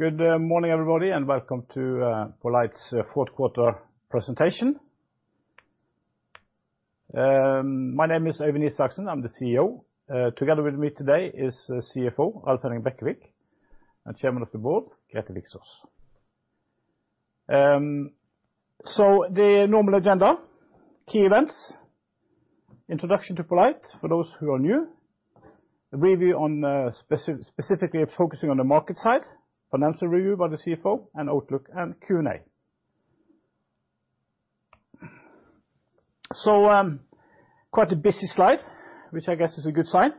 Good morning everybody, welcome to poLight's fourth quarter presentation. My name is Øyvind Isaksen, I'm the CEO. Together with me today is CFO, Alf Henning Bekkevik, and Chairman of the Board, Grethe Viksaas. The normal agenda, key events, introduction to poLight for those who are new. A review on specifically focusing on the market side, financial review by the CFO and outlook and Q&A. Quite a busy slide, which I guess is a good sign.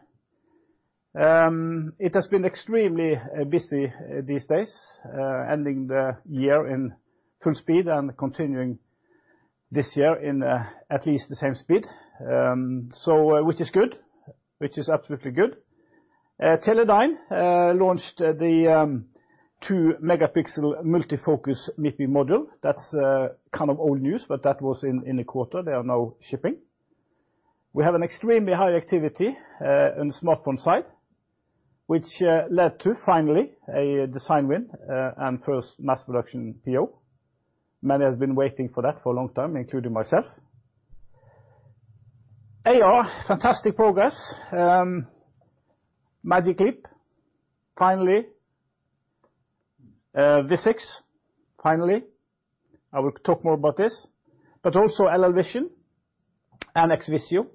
It has been extremely busy these days, ending the year in full speed and continuing this year in at least the same speed. Which is good, which is absolutely good. Teledyne launched the 2-megapixel multi-focus MIPI module. That's kind of old news, but that was in the quarter. They are now shipping. We have an extremely high activity on the smartphone side, which led to finally a design win and first mass production PO. Many have been waiting for that for a long time, including myself. AR, fantastic progress. Magic Leap, finally. Vuzix, finally. I will talk more about this, but also LLVision and Xvisio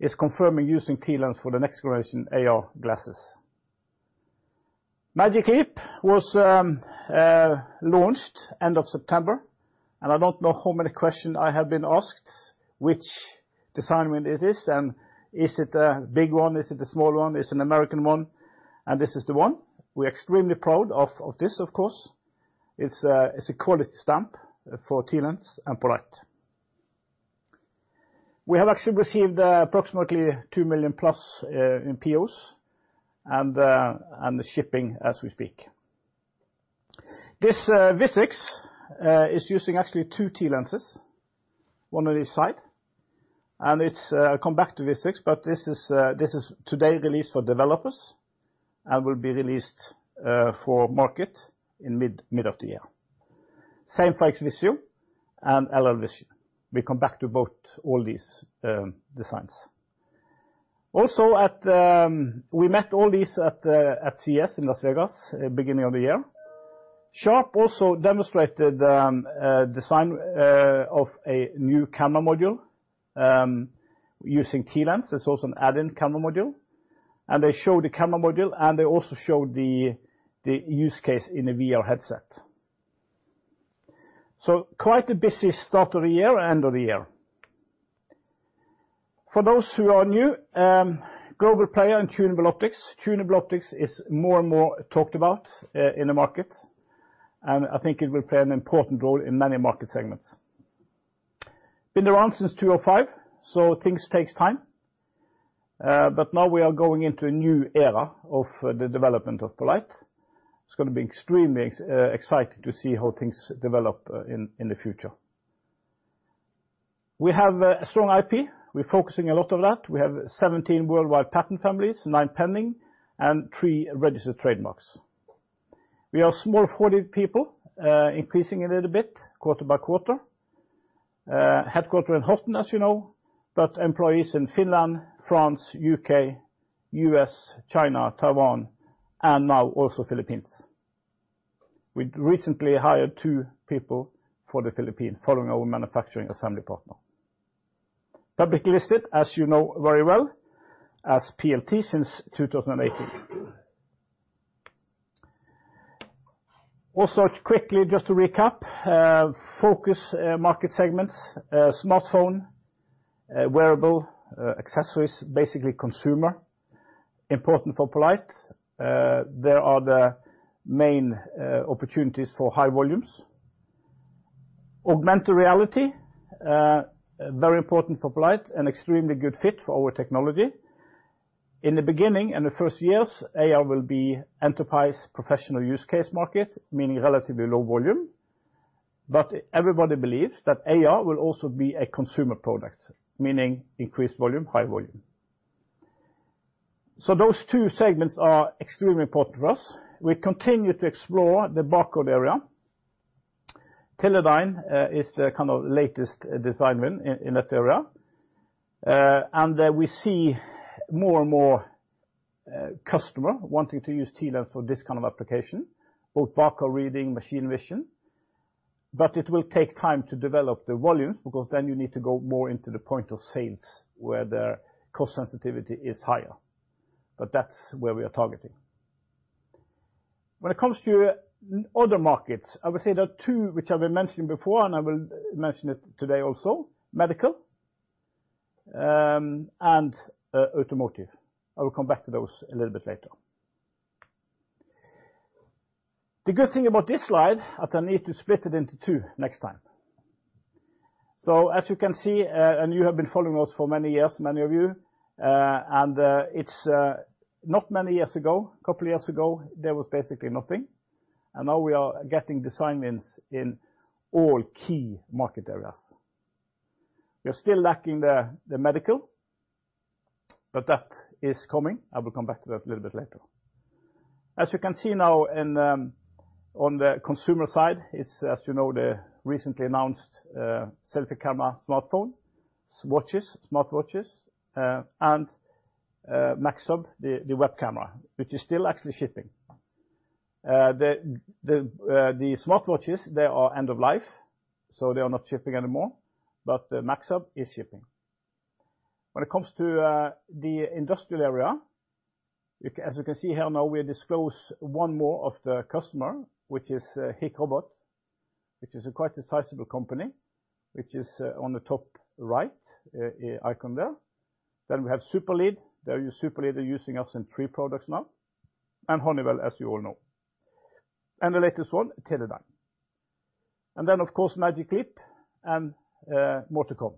is confirming using TLens for the next generation AR glasses. Magic Leap was launched end of September. I don't know how many questions I have been asked which design win it is, and is it a big one, is it a small one, is it an American one? This is the one. We're extremely proud of this, of course. It's a quality stamp for TLens and poLight. We have actually received approximately 2 million+ in POs and the shipping as we speak. This Xvisio is using actually two TLens, one on each side, and it's come back to Xvisio, but this is today released for developers and will be released for market in mid-year. Same for Xvisio and LLVision. We come back to both all these designs. We met all these at CES in Las Vegas beginning of the year. Sharp also demonstrated a design of a new camera module using TLens. It's also an add-in camera module. They showed the camera module, and they also showed the use case in a VR headset. Quite a busy start of the year, end of the year. For those who are new, global player in tunable optics. Tunable optics is more and more talked about in the market, and I think it will play an important role in many market segments. Been around since 2005, things takes time. Now we are going into a new era of the development of poLight. It's gonna be extremely exciting to see how things develop in the future. We have a strong IP. We're focusing a lot on that. We have 17 worldwide patent families, nine pending and three registered trademarks. We are a small 40 people, increasing a little bit quarter by quarter. Headquarter in Horten, as you know, employees in Finland, France, U.K., U.S., China, Taiwan, and now also Philippines. We recently hired two people for the Philippines following our manufacturing assembly partner. Public listed, as you know very well as PLT since 2018. Quickly, just to recap, focus market segments smartphone wearable accessories, basically consumer. Important for poLight. They are the main opportunities for high volumes. Augmented reality very important for poLight and extremely good fit for our technology. In the beginning, in the first years, AR will be enterprise professional use case market, meaning relatively low volume. Everybody believes that AR will also be a consumer product, meaning increased volume, high volume. Those two segments are extremely important for us. We continue to explore the barcode area. Teledyne is the kind of latest design win in that area. We see more and more customer wanting to use TLens for this kind of application, both barcode reading, machine vision. It will take time to develop the volumes, because then you need to go more into the point of sales where the cost sensitivity is higher. That's where we are targeting. When it comes to other markets, I would say there are two which I've been mentioning before, and I will mention it today also. Medical, and automotive. I will come back to those a little bit later. The good thing about this slide, that I need to split it into two next time. As you can see, and you have been following us for many years, many of you, and it's not many years ago, couple of years ago, there was basically nothing. Now we are getting design wins in all key market areas. We are still lacking the medical, but that is coming. I will come back to that a little bit later. As you can see now in on the consumer side, it's, as you know, the recently announced selfie camera smartphone, watches, smartwatches, and Maxhub, the web camera, which is still actually shipping. The smartwatches, they are end of life, so they are not shipping anymore, but the Maxhub is shipping. When it comes to the industrial area, as you can see here now, we disclose one more of the customer, which is Hikrobot, which is a quite decisible company, which is on the top right icon there. We have Superlead. Superlead are using us in three products now, and Honeywell, as you all know. The latest one, Teledyne. Of course, Magic Leap and more to come.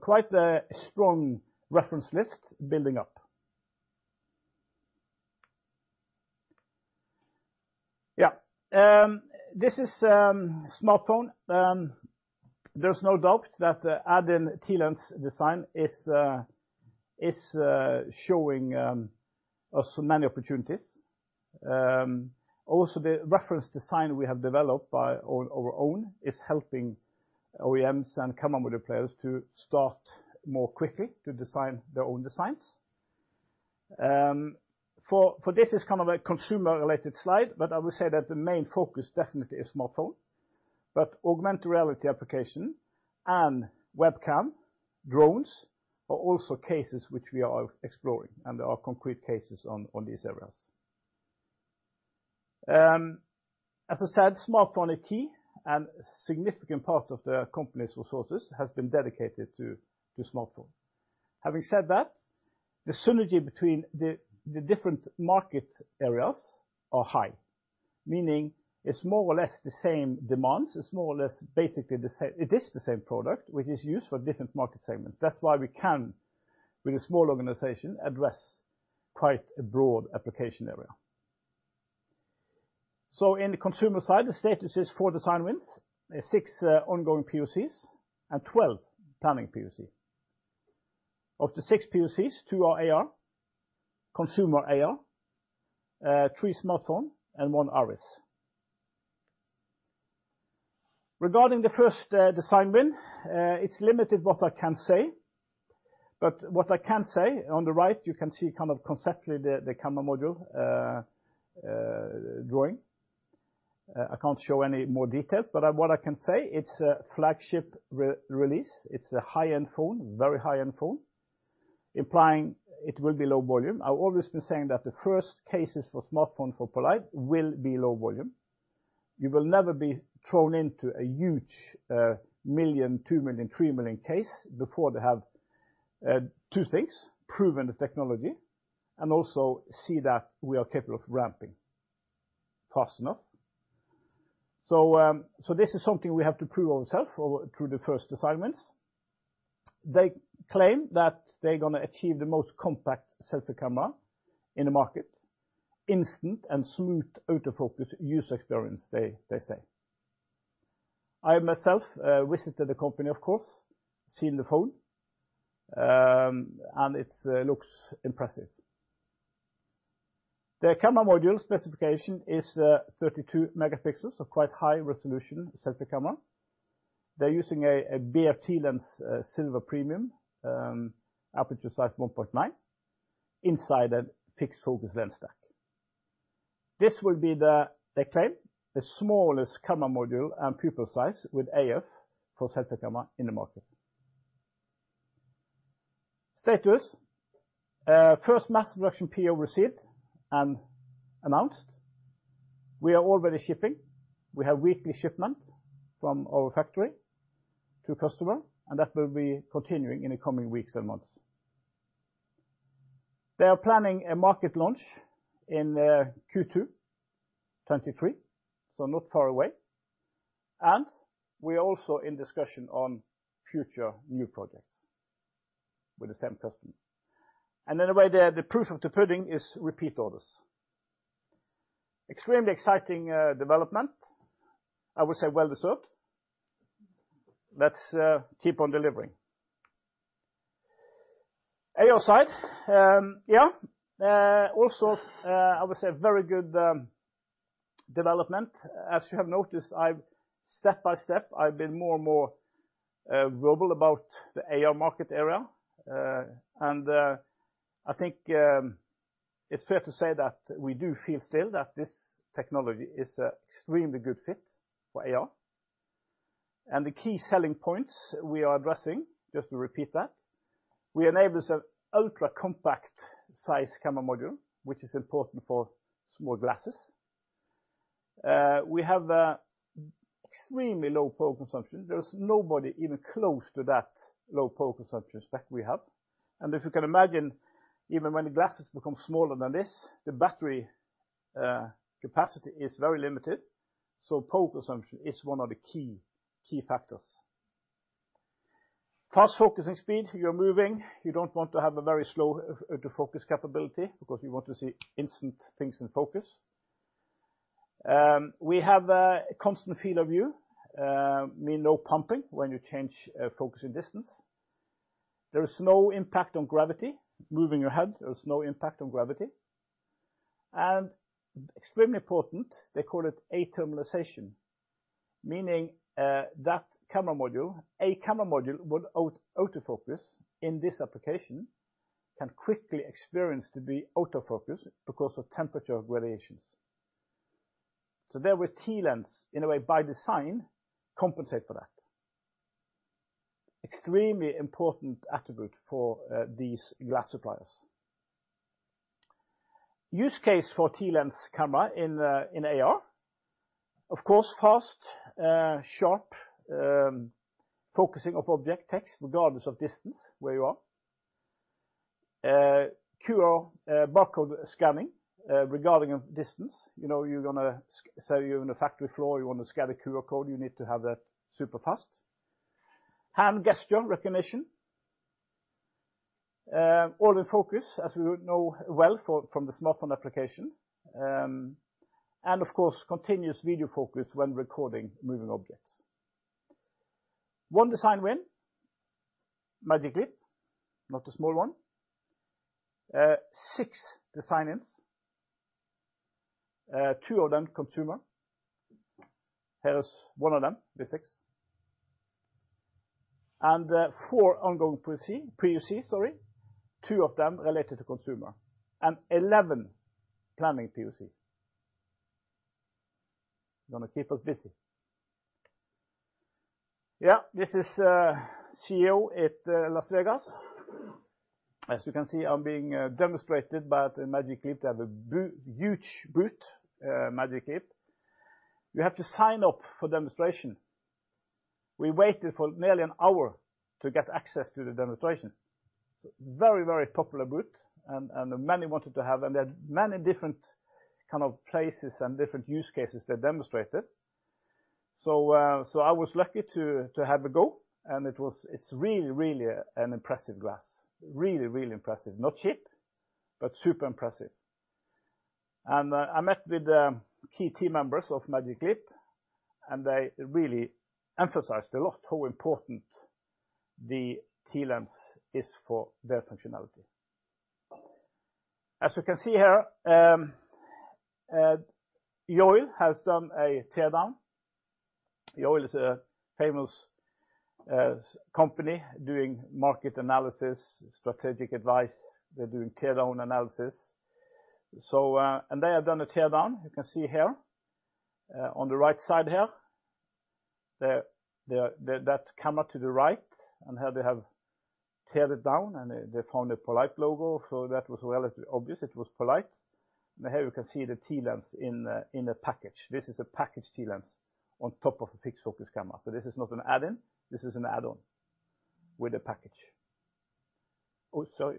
Quite a strong reference list building up. Yeah. This is smartphone. There's no doubt that adding TLens design is showing us many opportunities. Also the reference design we have developed by our own is helping OEMs and camera module players to start more quickly to design their own designs. For this is kind of a consumer-related slide, but I will say that the main focus definitely is smartphone. Augmented reality application and webcam, drones are also cases which we are exploring, and there are concrete cases on these areas. As I said, smartphone are key, and a significant part of the company's resources has been dedicated to smartphone. Having said that, the synergy between the different market areas are high, meaning it's more or less the same demands, it's more or less basically it is the same product, which is used for different market segments. That's why we can, with a small organization, address quite a broad application area. In the consumer side, the status is four design wins, six ongoing POCs, and 12 planning POC. Of the six POCs, two are AR, consumer AR, three smartphone, and one ARS. Regarding the first design win, it's limited what I can say. What I can say, on the right, you can see kind of conceptually the camera module drawing. I can't show any more details, but what I can say, it's a flagship re-release. It's a high-end phone, very high-end phone, implying it will be low volume. I've always been saying that the first cases for smartphone for poLight will be low volume. You will never be thrown into a huge, million, 2 million, 3 million case before they have two things, proven the technology and also see that we are capable of ramping fast enough. This is something we have to prove ourself through the first assignments. They claim that they're gonna achieve the most compact selfie camera in the market. Instant and smooth autofocus user experience, they say. I myself visited the company, of course, seen the phone, and it's looks impressive. The camera module specification is, 32 megapixels, a quite high-resolution selfie camera. They're using a BFT lens, Silver Premium, aperture size 1.9 inside a fixed focus lens stack. This will be, they claim, the smallest camera module and pupil size with AF for selfie camera in the market. Status. First mass production PO received and announced. We are already shipping. We have weekly shipment from our factory to customer, and that will be continuing in the coming weeks and months. They are planning a market launch in Q2 2023, so not far away. We're also in discussion on future new projects with the same customer. Anyway, the proof of the pudding is repeat orders. Extremely exciting development. I would say well-deserved. Let's keep on delivering. AR side. Yeah. Also, I would say very good development. As you have noticed, I've step by step, I've been more and more verbal about the AR market area. I think it's fair to say that we do feel still that this technology is a extremely good fit for AR. The key selling points we are addressing, just to repeat that, we enable this ultra-compact size camera module, which is important for small glasses. We have a extremely low power consumption. There's nobody even close to that low power consumption spec we have. If you can imagine, even when the glasses become smaller than this, the battery capacity is very limited. Power consumption is one of the key factors. Fast focusing speed. You're moving. You don't want to have a very slow to focus capability because you want to see instant things in focus. We have a constant field of view, mean no pumping when you change focusing distance. There is no impact on gravity. Moving your head, there is no impact on gravity. Extremely important, they call it athermalization. Meaning, that camera module, a camera module without autofocus in this application can quickly experience to be out of focus because of temperature variations. There with TLens, in a way by design compensate for that. Extremely important attribute for these glass suppliers. Use case for TLens camera in AR, of course fast, sharp, focusing of object text regardless of distance where you are. QR barcode scanning, regarding of distance, you know, say you're in a factory floor, you want to scan a QR code, you need to have that super fast. Hand gesture recognition, all in focus, as we would know well from the smartphone application. Of course, continuous video focus when recording moving objects. One design win, Magic Leap, not a small one. Six design-ins, two of them consumer. Here's one of them, Vuzix. Four ongoing POC, sorry, two of them related to consumer. 11 planning POC. Gonna keep us busy. This is CEO at Las Vegas. As you can see, I'm being demonstrated by the Magic Leap. They have a huge booth, Magic Leap. You have to sign up for demonstration. We waited for nearly an hour to get access to the demonstration. Very, very popular booth and many wanted to have. They had many different kind of places and different use cases they demonstrated. I was lucky to have a go, and it's really, really an impressive glass. Really, really impressive. Not cheap, but super impressive. I met with key team members of Magic Leap, and they really emphasized a lot how important the TLens is for their functionality. As you can see here, Yole has done a teardown. Yole is a famous company doing market analysis, strategic advice. They're doing teardown analysis. They have done a teardown, you can see here on the right side here, that camera to the right. Here they have teared it down, they found a poLight logo. That was relatively obvious it was poLight. Here you can see the TLens in the package. This is a packaged TLens on top of a fixed-focus camera. This is not an add-in, this is an add-on with a package. Oh, sorry.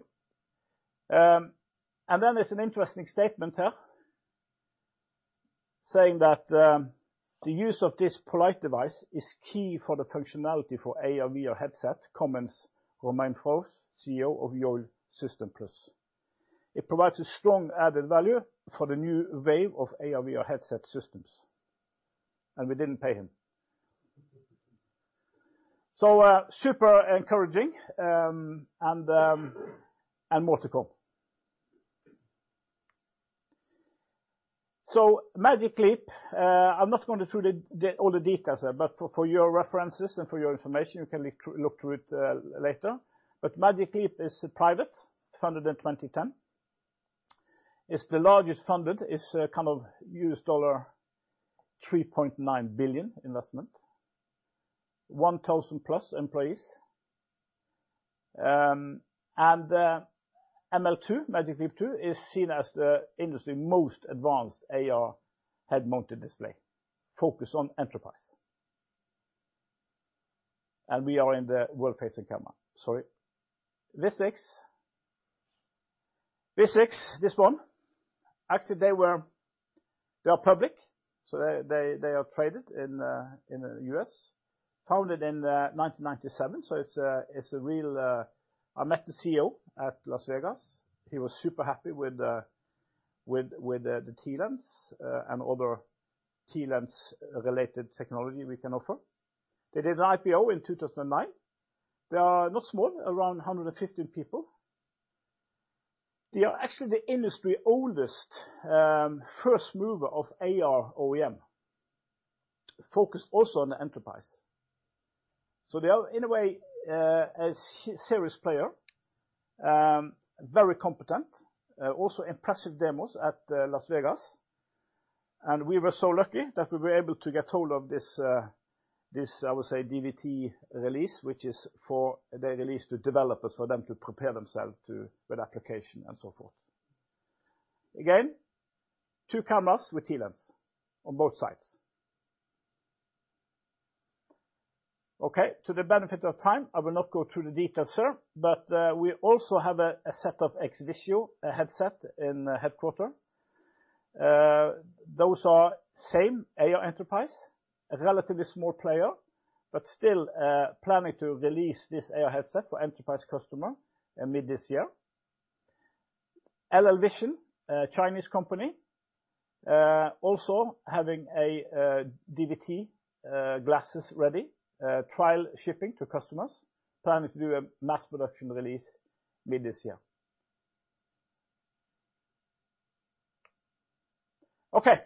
There's an interesting statement here saying that, "The use of this poLight device is key for the functionality for AR VR headset," comments Romain Fraux, CEO of Yole SystemPlus. "It provides a strong added value for the new wave of AR VR headset systems." We didn't pay him. Super encouraging, more to come. Magic Leap, I'm not going through the all the details there, but for your references and for your information, you can look through it later. Magic Leap is private, founded in 2010. It's the largest funded, it's kind of $3.9 billion investment. 1,000 plus employees. ML2, Magic Leap 2 is seen as the industry's most advanced AR head-mounted display. Focus on enterprise. We are in the world-facing camera. Sorry. Vuzix. Vuzix, this one, actually they are public, so they are traded in the U.S. Founded in 1997, it's a real. I met the CEO at Las Vegas. He was super happy with the TLens and other TLens related technology we can offer. They did an IPO in 2009. They are not small, around 115 people. They are actually the industry oldest, first mover of AR OEM. Focus also on the enterprise. They are in a way, a serious player. Very competent. Also impressive demos at Las Vegas. We were so lucky that we were able to get hold of this, I would say, DVT release, which is for the release to developers, for them to prepare themselves with application and so forth. Again, two cameras with TLens on both sides. To the benefit of time, I will not go through the details here, we also have a set of Xvisio, a headset in headquarter. Those are same AR enterprise. A relatively small player, but still, planning to release this AR headset for enterprise customer in mid this year. LLVision, a Chinese company, also having a DVT glasses ready, trial shipping to customers, planning to do a mass production release mid this year. Okay.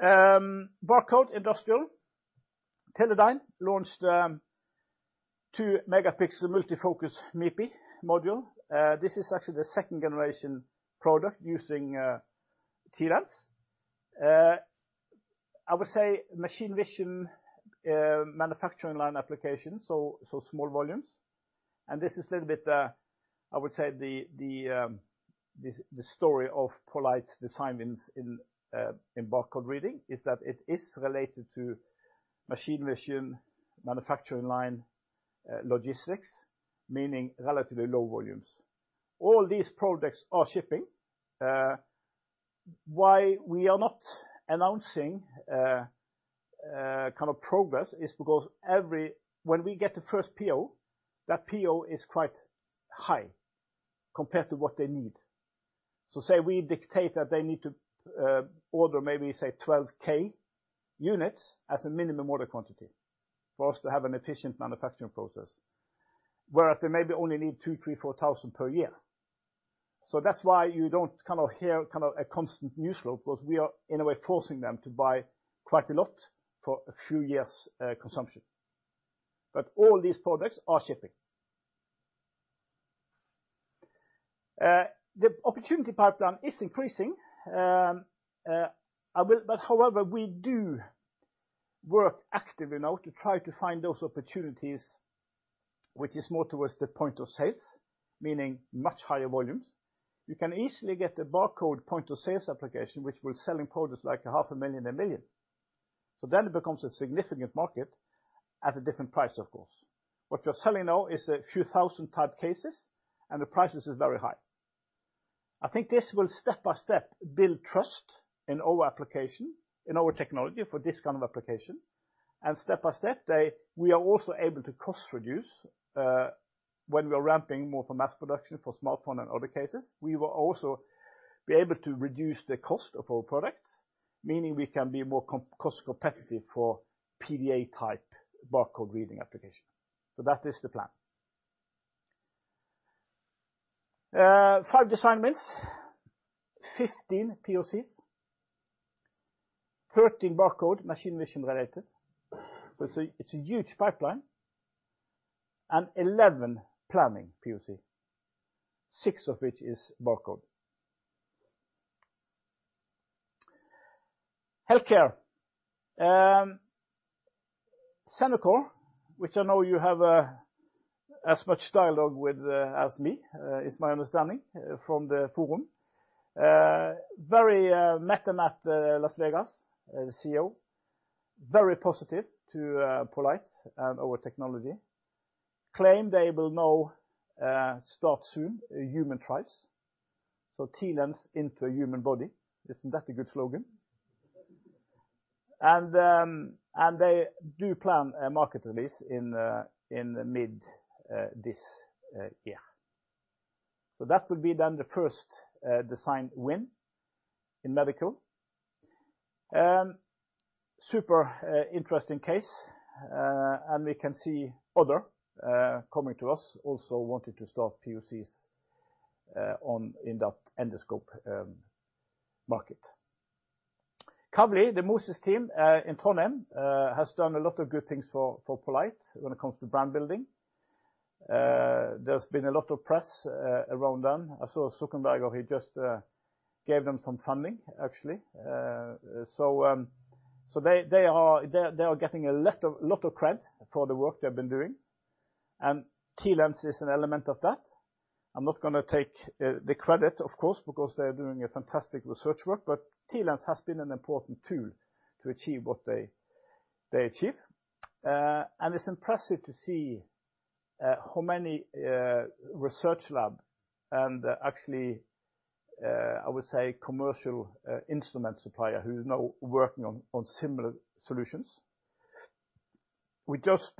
Barcode industrial. Teledyne launched 2-megapixel multi-focus MIPI module. This is actually the second generation product using TLens. I would say machine vision, manufacturing line application, so small volumes. This is little bit, I would say the story of poLight's design wins in barcode reading, is that it is related to machine vision, manufacturing line, logistics, meaning relatively low volumes. All these products are shipping. Why we are not announcing kind of progress is because every... When we get the first PO, that PO is quite high compared to what they need. Say we dictate that they need to order maybe say 12,000 units as a minimum order quantity for us to have an efficient manufacturing process. Whereas they maybe only need 2, 3, 4 thousand per year. That's why you don't kind of hear kind of a constant news loop, because we are in a way forcing them to buy quite a lot for a few years' consumption. All these products are shipping. The opportunity pipeline is increasing. However, we do work actively now to try to find those opportunities, which is more towards the point of sales, meaning much higher volumes. You can easily get a barcode point of sales application, which will sell in quotas like 0.5 million, 1 million. It becomes a significant market at a different price, of course. What we're selling now is a few thousand type cases, and the prices is very high. I think this will step-by-step build trust in our application, in our technology for this kind of application. Step-by-step, we are also able to cost reduce when we are ramping more for mass production for smartphone and other cases. We will also be able to reduce the cost of our products, meaning we can be more cost competitive for PDA type barcode reading application. That is the plan. Five design wins, 15 POCs, 13 barcode machine vision related. It's a huge pipeline, and 11 planning POC, six of which is barcode. Healthcare. Senkore, which I know you have as much dialogue with as me, is my understanding from the forum. Matt, CEO, Las Vegas, very positive to poLight and our technology. Claim they will now start soon human trials. TLens into a human body. Isn't that a good slogan? They do plan a market release in the mid this year. That would be then the first design win in medical. Super interesting case. We can see other coming to us also wanting to start POCs on in that endoscope market. Kavli, the Moser team in Trondheim, has done a lot of good things for poLight when it comes to brand building. There's been a lot of press around them. I saw Zuckerberg, he just gave them some funding, actually. They are getting a lot of credit for the work they've been doing. TLens is an element of that. I'm not gonna take the credit, of course, because they are doing a fantastic research work, but TLens has been an important tool to achieve what they achieve. It's impressive to see how many research lab and actually, I would say commercial, instrument supplier who's now working on similar solutions. We just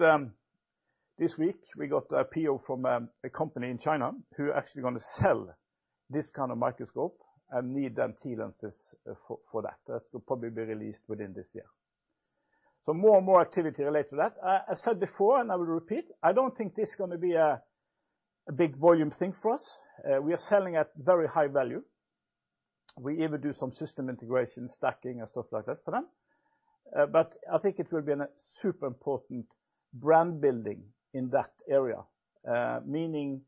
this week, we got a PO from a company in China who are actually gonna sell this kind of microscope and need then TLenses for that. That will probably be released within this year. More and more activity related to that. I said before, and I will repeat, I don't think this is gonna be a big volume thing for us. We are selling at very high value. We even do some system integration, stacking, and stuff like that for them. I think it will be an super important brand building in that area. Meaning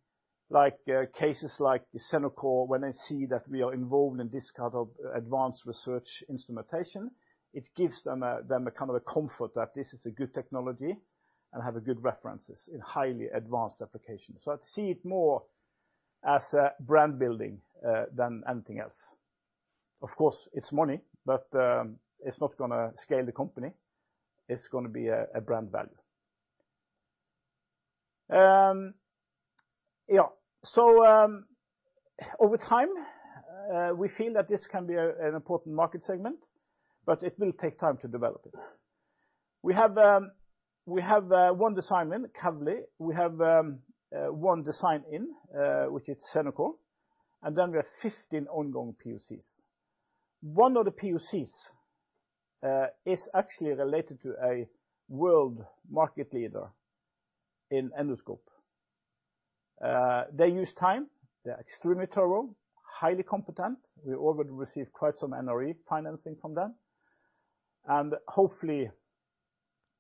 like cases like Senkore, when they see that we are involved in this kind of advanced research instrumentation, it gives them a kind of a comfort that this is a good technology and have a good references in highly advanced applications. I'd see it more as a brand building than anything else. Of course, it's money, but it's not gonna scale the company. It's gonna be a brand value. Yeah. Over time, we feel that this can be an important market segment, but it will take time to develop it. We have one design win, Kavli. We have one design-in, which is Senkore. We have 15 ongoing POCs. One of the POCs is actually related to a world market leader in endoscope. They use time, they're extremely thorough, highly competent. We already received quite some Innovation Norway financing from them, and hopefully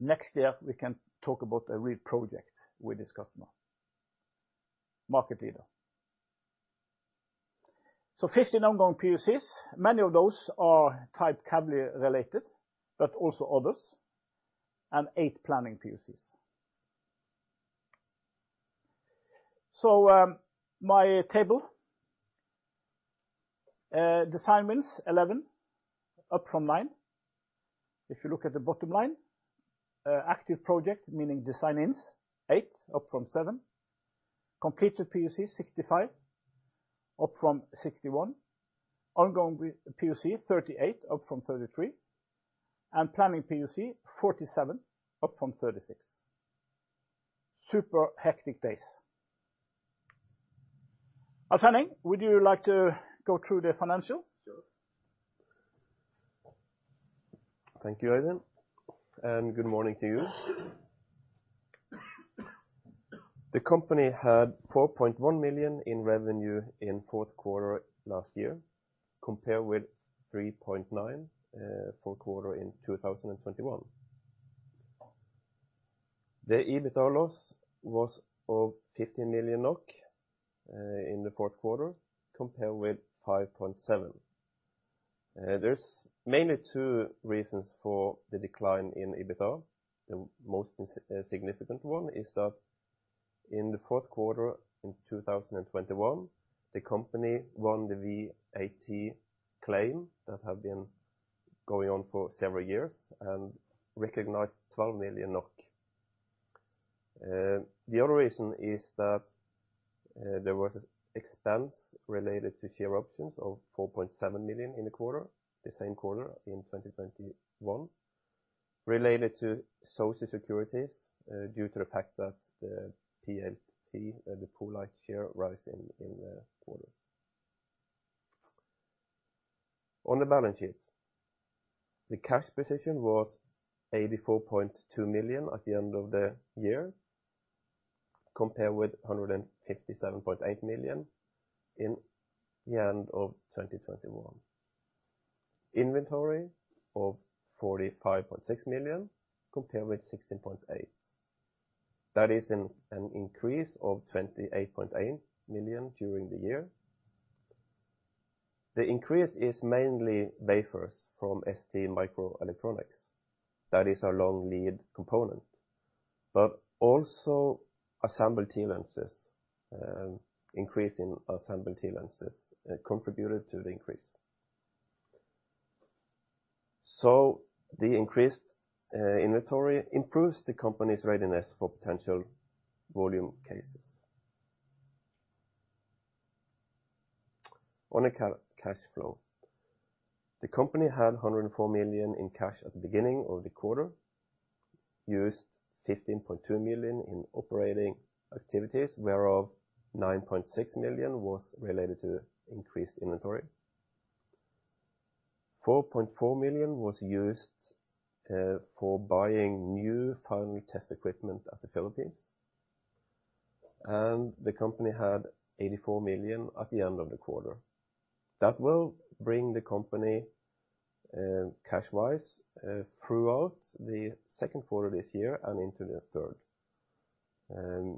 next year we can talk about a real project with this customer, market leader. 15 ongoing POCs. Many of those are type Kavli related, but also others, and eight planning POCs. My table, design wins 11 up from nine. If you look at the bottom line, active project, meaning design-ins, eight up from seven. Completed POCs 65 up from 61. Ongoing W-POC 38 up from 33, and planning POC 47 up from 36. Super hectic days. Alf Henning, would you like to go through the financial? Sure. Thank you, Øyvind. Good morning to you. The company had 4.1 million in revenue in fourth quarter last year, compared with 3.9 fourth quarter in 2021. The EBITA loss was 50 million NOK in the fourth quarter, compared with 5.7. There's mainly two reasons for the decline in EBITA. The most significant one is that in the fourth quarter in 2021, the company won the VAT claim that had been going on for several years and recognized 12 million NOK. The other reason is that there was expense related to share options of 4.7 million in the quarter, the same quarter in 2021, related to social securities, due to the fact that the PLT, the poLight share rise in the quarter. On the balance sheet, the cash position was 84.2 million at the end of the year, compared with 167.8 million in the end of 2021. Inventory of 45.6 million, compared with 16.8 million. That is an increase of 28.8 million during the year. The increase is mainly wafers from STMicroelectronics. That is our long lead component, but also assembled TLenses, increase in assembled TLenses contributed to the increase. The increased inventory improves the company's readiness for potential volume cases. On a cash flow, the company had 104 million in cash at the beginning of the quarter, used 15.2 million in operating activities, whereof 9.6 million was related to increased inventory. 4.4 million was used for buying new final test equipment at the Philippines. The company had 84 million at the end of the quarter. That will bring the company cash-wise throughout the second quarter this year and into the third,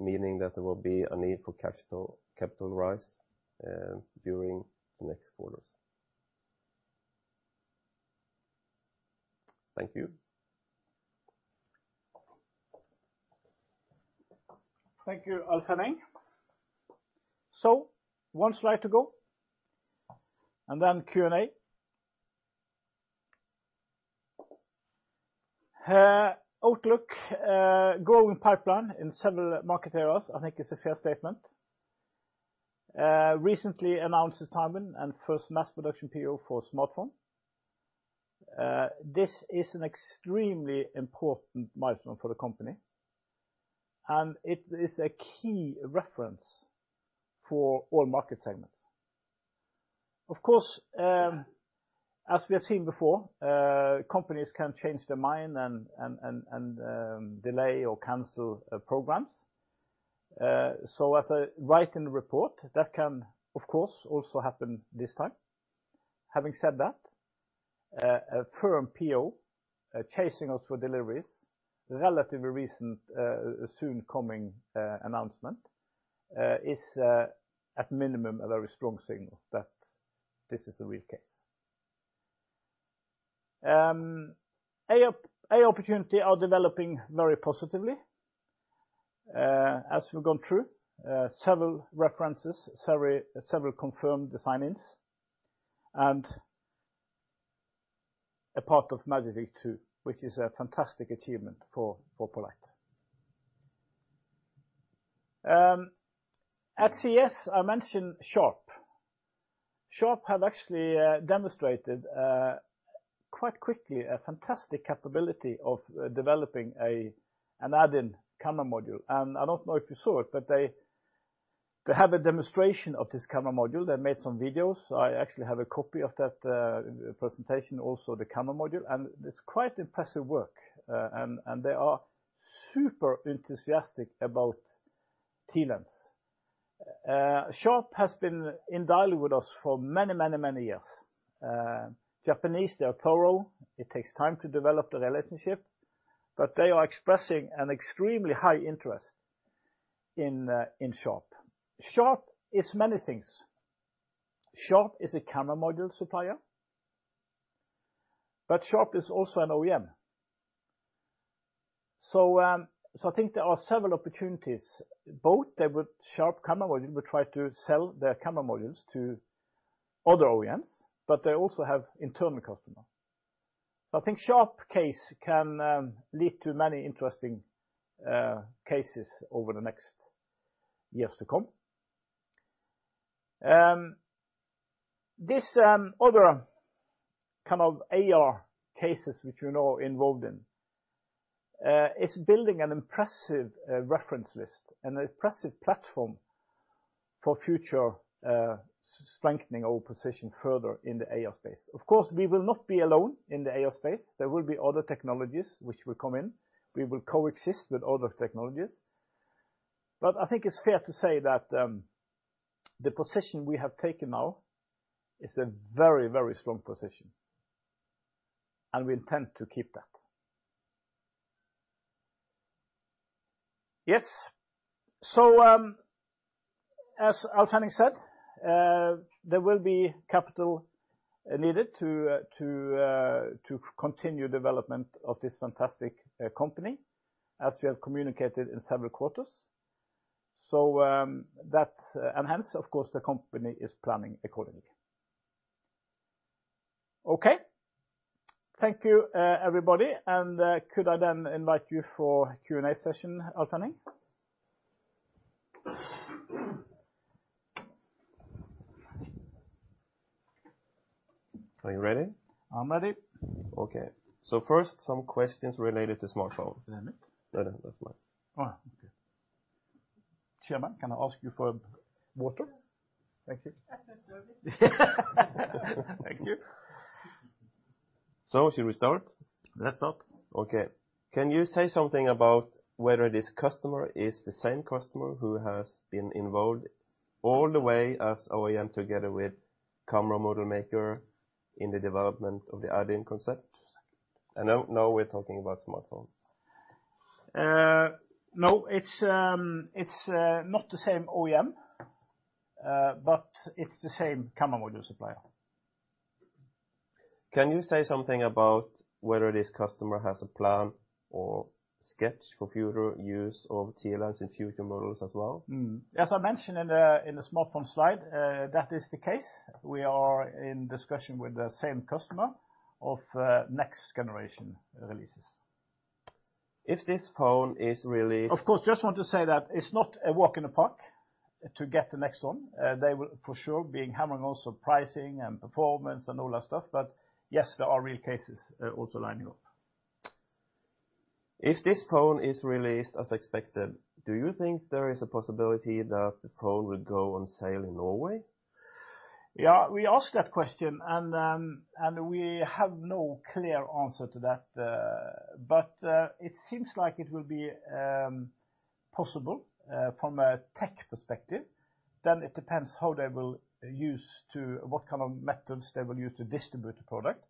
meaning that there will be a need for capital rise during the next quarters. Thank you. Thank you, Alf Henning. One slide to go, and then Q&A. Outlook, growing pipeline in several market areas, I think is a fair statement. Recently announced the timing and first mass production PO for smartphone. This is an extremely important milestone for the company, and it is a key reference for all market segments. Of course, as we have seen before, companies can change their mind and delay or cancel programs. As I write in the report, that can of course also happen this time. Having said that, a firm PO, chasing us with deliveries, relatively recent, soon coming announcement, is at minimum, a very strong signal that this is the real case. A opportunity are developing very positively, as we've gone through several references, several confirmed design-ins, and a part of Magic Leap 2, which is a fantastic achievement for poLight. At CES, I mentioned Sharp. Sharp have actually demonstrated quite quickly a fantastic capability of developing an add-in camera module. I don't know if you saw it, but they have a demonstration of this camera module. They made some videos. I actually have a copy of that presentation, also the camera module, and it's quite impressive work. They are super enthusiastic about TLens. Sharp has been in dialog with us for many, many, many years. Japanese, they are thorough. It takes time to develop the relationship, but they are expressing an extremely high interest in Sharp. Sharp is many things. Sharp is a camera module supplier, but Sharp is also an OEM. I think there are several opportunities, both that Sharp camera module will try to sell their camera modules to other OEMs, but they also have internal customer. I think Sharp case can lead to many interesting cases over the next years to come. This other kind of AR cases which we're now involved in is building an impressive reference list and an impressive platform for future strengthening our position further in the AR space. Of course, we will not be alone in the AR space. There will be other technologies which will come in. We will coexist with other technologies. I think it's fair to say that the position we have taken now is a very, very strong position, and we intend to keep that. Yes. As Alf Henning said, there will be capital needed to continue development of this fantastic company, as we have communicated in several quarters. Hence, of course, the company is planning accordingly. Okay. Thank you, everybody. Could I then invite you for Q&A session, Alf Henning? Are you ready? I'm ready. Okay. First, some questions related to smartphone. Is that me? No, no, that's mine. Oh, okay. Chairman, can I ask you for water? Yeah. Thank you. At your service. Thank you. Should we start? Let's start. Okay. Can you say something about whether this customer is the same customer who has been involved all the way as OEM together with camera module maker in the development of the add-in concept? Now we're talking about smartphone. No, it's not the same OEM, but it's the same camera module supplier. Can you say something about whether this customer has a plan or sketch for future use of TLens in future models as well? As I mentioned in the smartphone slide, that is the case. We are in discussion with the same customer of next generation releases. If this phone is released- Of course, just want to say that it's not a walk in the park to get the next one. They will for sure being hammering on pricing and performance and all that stuff. Yes, there are real cases also lining up. If this phone is released as expected, do you think there is a possibility that the phone would go on sale in Norway? We asked that question, and we have no clear answer to that. It seems like it will be possible from a tech perspective. It depends how they will use what kind of methods they will use to distribute the product.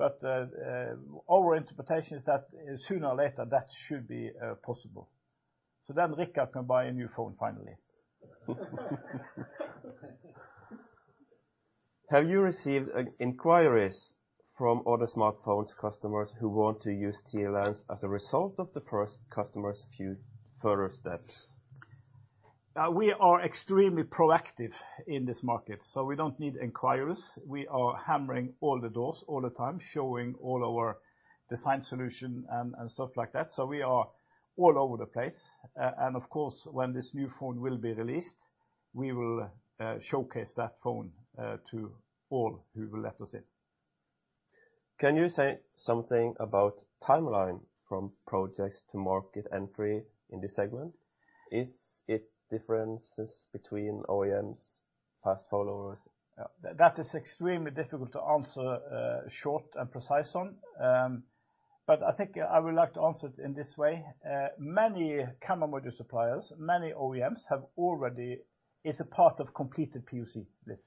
Our interpretation is that sooner or later, that should be possible. Grethe can buy a new phone finally. Have you received inquiries from other smartphone customers who want to use TLens as a result of the first customer's few further steps? We are extremely proactive in this market. We don't need inquiries. We are hammering all the doors all the time, showing all our design solution and stuff like that. We are all over the place. Of course, when this new phone will be released, we will showcase that phone to all who will let us in. Can you say something about timeline from projects to market entry in this segment? Is it differences between OEMs, fast followers? That is extremely difficult to answer short and precise on. I think I would like to answer it in this way. Many camera module suppliers, many OEMs have already is a part of completed POC list.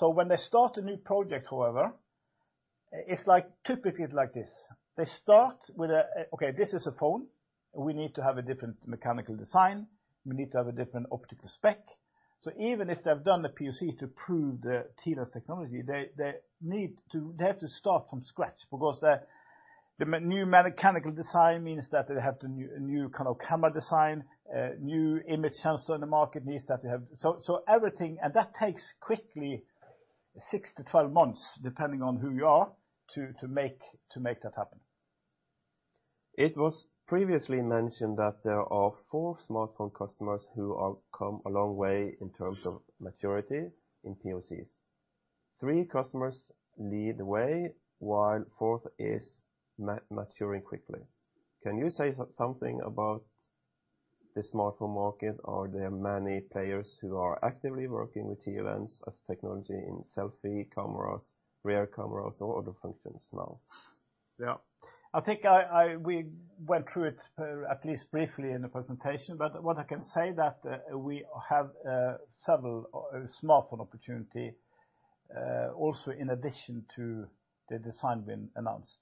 When they start a new project, however, it's like typically like this. They start with a, okay, this is a phone, and we need to have a different mechanical design. We need to have a different optical spec. Even if they've done the POC to prove the TLens technology, they have to start from scratch because the new mechanical design means that they have to new camera design, new image sensor in the market means that they have... So everything, and that takes quickly six to 12 months, depending on who you are, to make that happen. It was previously mentioned that there are four smartphone customers who come a long way in terms of maturity in POCs. Three customers lead the way, while fourth is maturing quickly. Can you say something about the smartphone market? Are there many players who are actively working with TLens as technology in selfie cameras, rear cameras, or other functions now? Yeah. I think we went through it at least briefly in the presentation, but what I can say that we have several smartphone opportunity also in addition to the design win announced.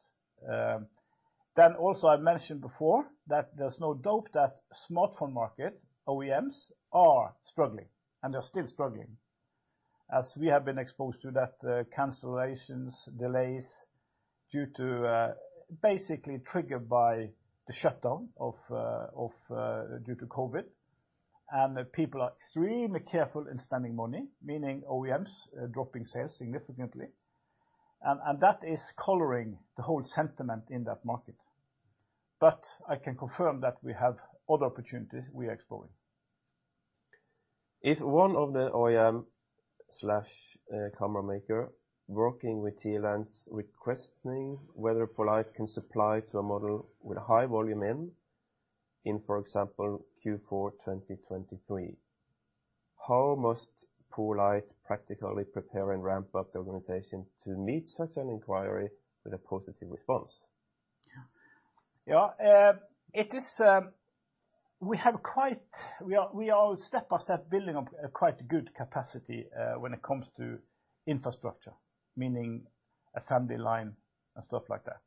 Also I mentioned before that there's no doubt that smartphone market OEMs are struggling, and they're still struggling. As we have been exposed to that, cancellations, delays due to... Basically triggered by the shutdown of due to COVID. The people are extremely careful in spending money, meaning OEMs dropping sales significantly. That is coloring the whole sentiment in that market. I can confirm that we have other opportunities we are exploring. If one of the OEM, camera maker working with TLens requesting whether poLight can supply to a model with a high volume in, for example, Q4 2023, how must poLight practically prepare and ramp up the organization to meet such an inquiry with a positive response? Yeah. It is. We are step-by-step building up a quite good capacity when it comes to infrastructure, meaning assembly line and stuff like that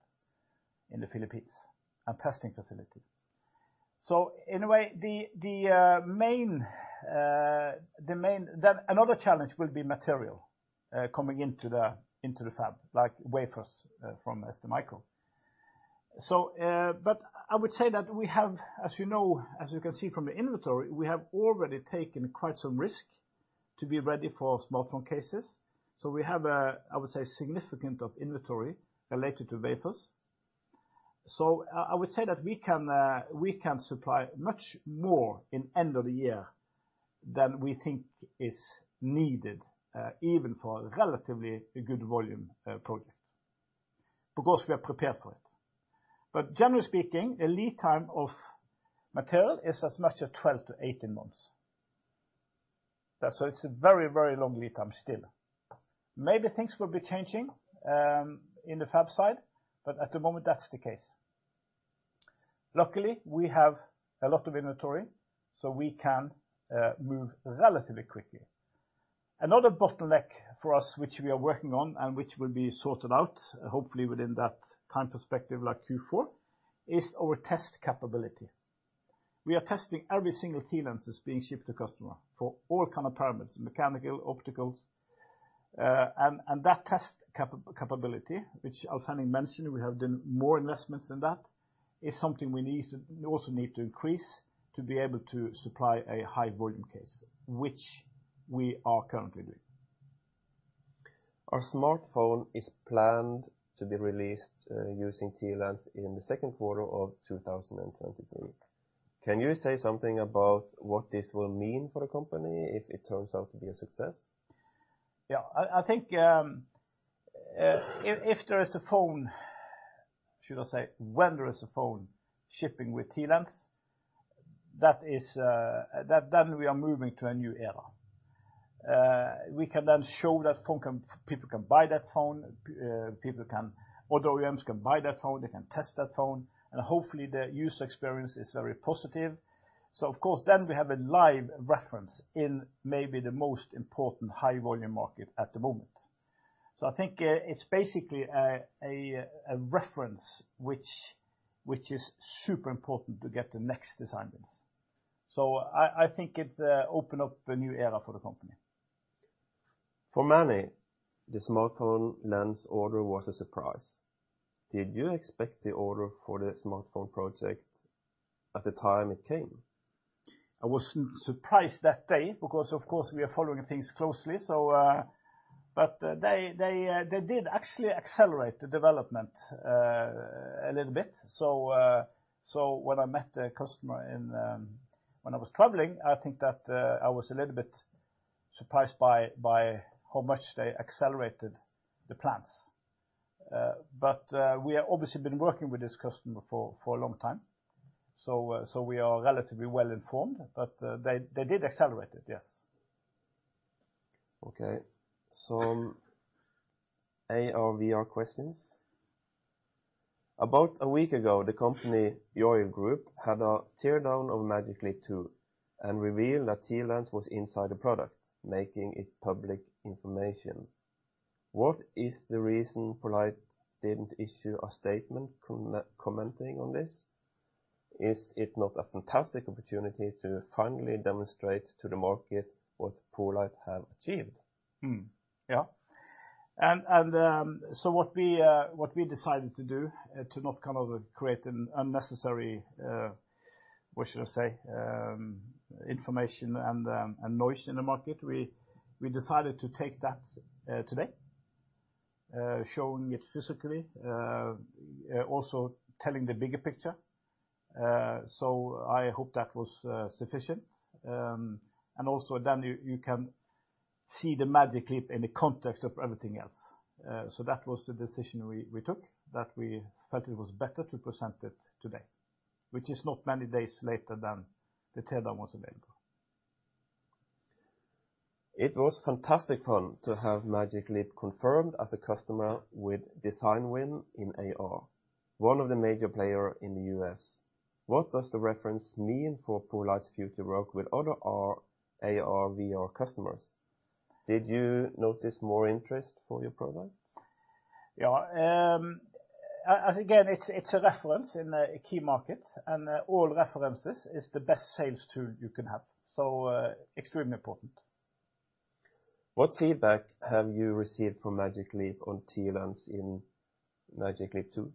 in the Philippines, and testing facility. In a way, another challenge will be material coming into the fab, like wafers from STMicro. But I would say that we have, as you know, as you can see from the inventory, we have already taken quite some risk to be ready for smartphone cases. We have a, I would say, significant of inventory related to wafers. I would say that we can, we can supply much more in end of the year than we think is needed, even for a relatively good volume project, because we are prepared for it. Generally speaking, the lead time of material is as much as 12-18 months. Yeah. It's a very, very long lead time still. Maybe things will be changing in the fab side, but at the moment, that's the case. Luckily, we have a lot of inventory, so we can move relatively quickly. Another bottleneck for us, which we are working on and which will be sorted out, hopefully within that time perspective like Q4, is our test capability. We are testing every single TLens that's being shipped to customer for all kind of parameters, mechanical, opticals. That test capability, which Alf Henning mentioned, we have done more investments in that, is something we also need to increase to be able to supply a high volume case, which we are currently doing. Our smartphone is planned to be released, using TLens in the second quarter of 2023. Can you say something about what this will mean for the company if it turns out to be a success? I think, if there is a phone... Should I say, when there is a phone shipping with TLens, that, then we are moving to a new era. We can then show that people can buy that phone, other OEMs can buy that phone, they can test that phone, and hopefully their user experience is very positive. Of course, then we have a live reference in maybe the most important high volume market at the moment. I think, it's basically a reference which is super important to get the next design wins. I think it open up a new era for the company. For many, the smartphone lens order was a surprise. Did you expect the order for the smartphone project at the time it came? I was surprised that day because, of course, we are following things closely. But, they did actually accelerate the development a little bit. When I met the customer in... When I was traveling, I think that I was a little bit surprised by how much they accelerated the plans. But, we have obviously been working with this customer for a long time, so we are relatively well-informed, but they did accelerate it, yes. Okay. Some AR/VR questions. About a week ago, the company Yole Group had a teardown of Magic Leap 2 and revealed that TLens was inside the product, making it public information. What is the reason poLight didn't issue a statement commenting on this? Is it not a fantastic opportunity to finally demonstrate to the market what poLight have achieved? Mm. Yeah. What we, what we decided to do, to not kind of create an unnecessary, what should I say, information and noise in the market. We decided to take that today, showing it physically, also telling the bigger picture. I hope that was sufficient. Also then you can see the Magic Leap in the context of everything else. That was the decision we took, that we felt it was better to present it today, which is not many days later than the data was available. It was fantastic fun to have Magic Leap confirmed as a customer with design win in AR, one of the major player in the U.S. What does the reference mean for poLight's future work with other AR/VR customers? Did you notice more interest for your products? Yeah. As again, it's a reference in a key market. All references is the best sales tool you can have. Extremely important. What feedback have you received from Magic Leap on TLens in Magic Leap 2?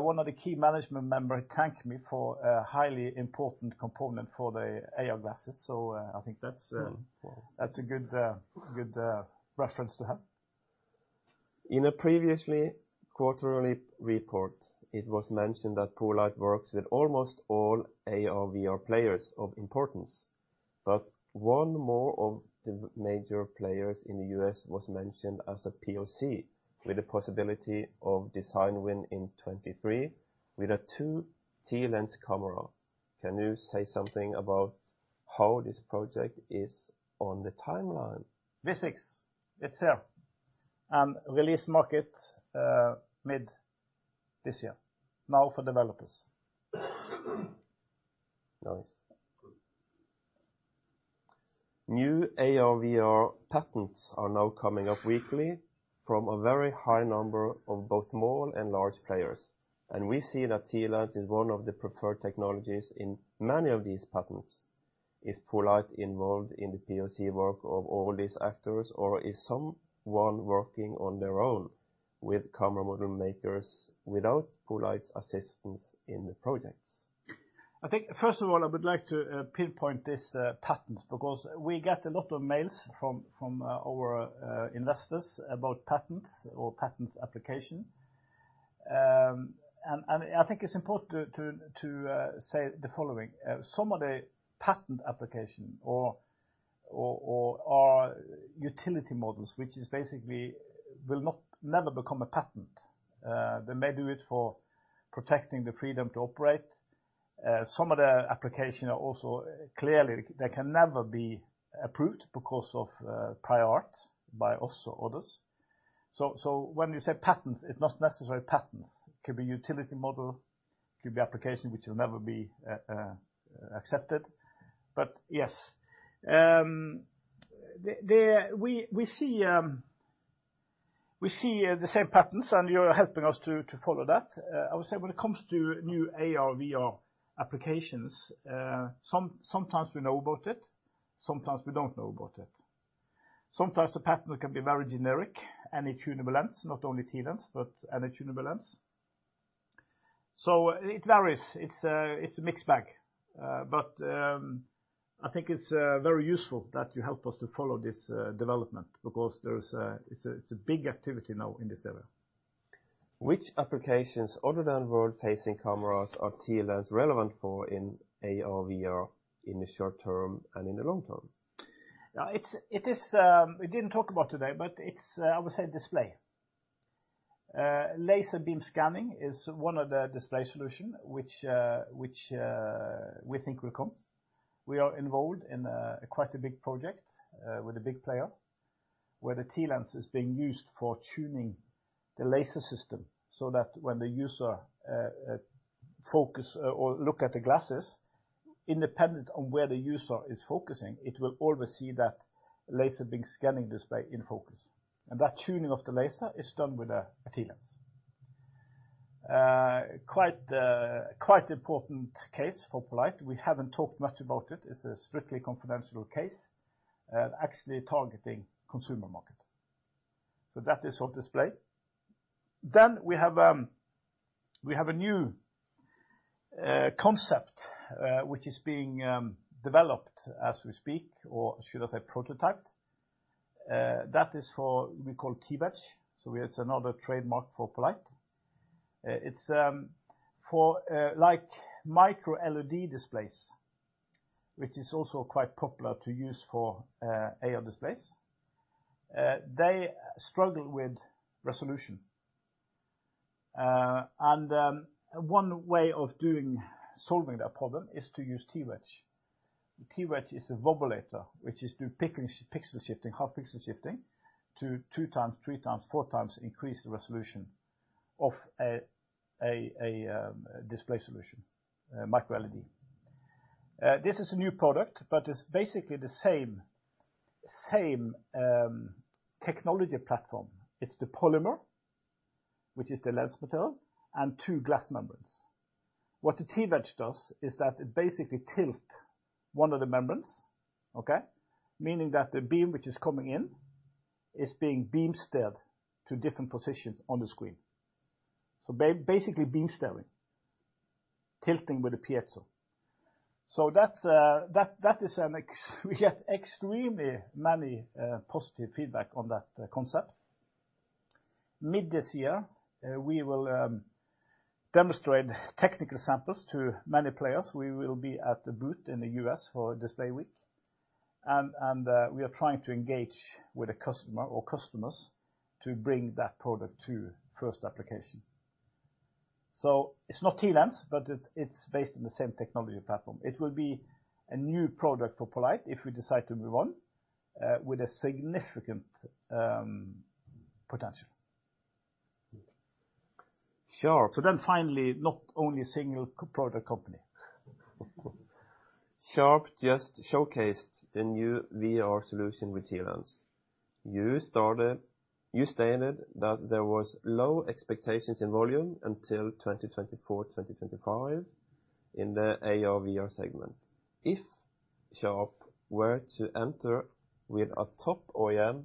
One of the key management member thanked me for a highly important component for the AR glasses, so I think that's. Wow. That's a good reference to have. In a previously quarterly report, it was mentioned that poLight works with almost all AR/VR players of importance. One more of the major players in the U.S. was mentioned as a POC with a possibility of design win in 2023 with a 2 TLens camera. Can you say something about how this project is on the timeline? Vuzix, it's here. Release market mid this year. Now for developers. Nice. New AR/VR patents are now coming up weekly from a very high number of both small and large players, and we see that TLens is one of the preferred technologies in many of these patents. Is poLight involved in the POC work of all these actors, or is someone working on their own with camera model makers without poLight's assistance in the projects? I think, first of all, I would like to pinpoint this patents, because we get a lot of mails from our investors about patents or patents application. I think it's important to say the following. Some of the patent application or are utility models, which is basically will not never become a patent. They may do it for protecting the freedom to operate. Some of the application are also clearly they can never be approved because of priority by also others. When you say patents, it's not necessarily patents. It could be utility model, could be application which will never be accepted. Yes, we see the same patterns, and you're helping us to follow that. I would say when it comes to new AR/VR applications, sometimes we know about it, sometimes we don't know about it. Sometimes the pattern can be very generic, any tunable lens, not only TLens, but any tunable lens. It varies. It's a mixed bag. I think it's very useful that you help us to follow this development because there is a big activity now in this area. Which applications other than world-facing cameras are TLens relevant for in AR/VR in the short term and in the long term? Now, it's, it is, we didn't talk about today, but it's, I would say display. Laser Beam Scanning is one of the display solution which we think will come. We are involved in quite a big project with a big player, where the TLens is being used for tuning the laser system so that when the user focus or look at the glasses, independent on where the user is focusing, it will always see that Laser Beam Scanning display in focus. That tuning of the laser is done with a TLens. Quite important case for poLight. We haven't talked much about it. It's a strictly confidential case, actually targeting consumer market. That is our display. We have, we have a new concept, which is being developed as we speak, or should I say prototyped. That is for, we call TWedge, so it's another trademark for poLight. It's for like Micro-LED displays, which is also quite popular to use for AR displays. They struggle with resolution. One way of doing, solving that problem is to use TWedge. TWedge is a TWedge, which is pixel shifting, half-pixel shifting to two times, three times, four times increase the resolution of a display solution, Micro-LED. This is a new product, but it's basically the same technology platform. It's the polymer, which is the lens material, and two glass membranes. What the TWedge does is that it basically tilt one of the membranes, okay. Meaning that the beam which is coming in is being beam steered to different positions on the screen. Basically beam steering, tilting with a piezo. That is we get extremely many positive feedback on that concept. Mid this year, we will demonstrate technical samples to many players. We will be at the booth in the U.S. for Display Week and we are trying to engage with a customer or customers to bring that product to first application. It's not TLens, but it's based on the same technology platform. It will be a new product for poLight if we decide to move on with a significant potential. Sharp. Finally, not only a single product company. Sharp just showcased the new VR solution with TLens. You stated that there was low expectations in volume until 2024, 2025 in the AR/VR segment. If Sharp were to enter with a top OEM,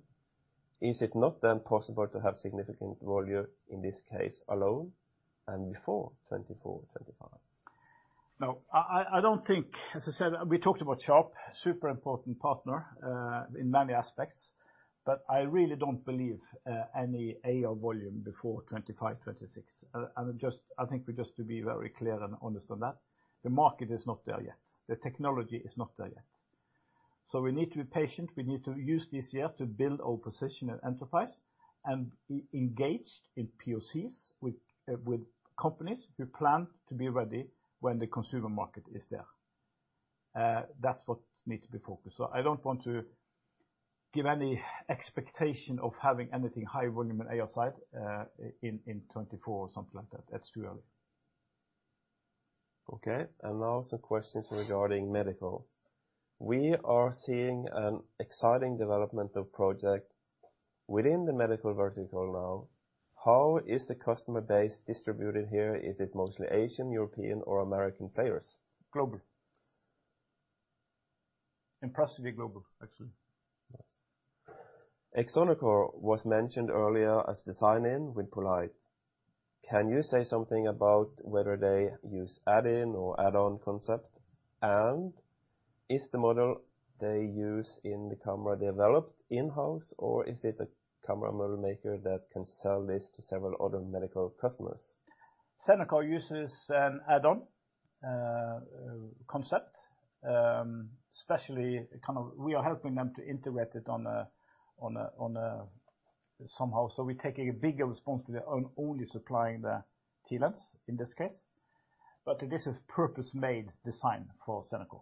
is it not then possible to have significant volume in this case alone and before 2024, 2025? No, I don't think. As I said, we talked about Sharp, super important partner, in many aspects, but I really don't believe any AR volume before 2025, 2026. I think just to be very clear and honest on that, the market is not there yet. The technology is not there yet. We need to be patient. We need to use this year to build our position and enterprise and be engaged in POCs with companies. We plan to be ready when the consumer market is there. That's what needs to be focused. I don't want to give any expectation of having anything high volume on AR side, in 2024 or something like that. That's too early. Okay. Now some questions regarding medical. We are seeing an exciting development of project within the medical vertical now. How is the customer base distributed here? Is it mostly Asian, European, or American players? Global. Impressively global, actually. Nice. Coretronic was mentioned earlier as design-in with poLight. Can you say something about whether they use add-in or add-on concept? Is the model they use in the camera developed in-house or is it a camera model maker that can sell this to several other medical customers? Senkore uses an add-on, concept, especially kind of we are helping them to integrate it on a somehow. We take a bigger responsibility on only supplying the TLens in this case. It is a purpose-made design for Senkore.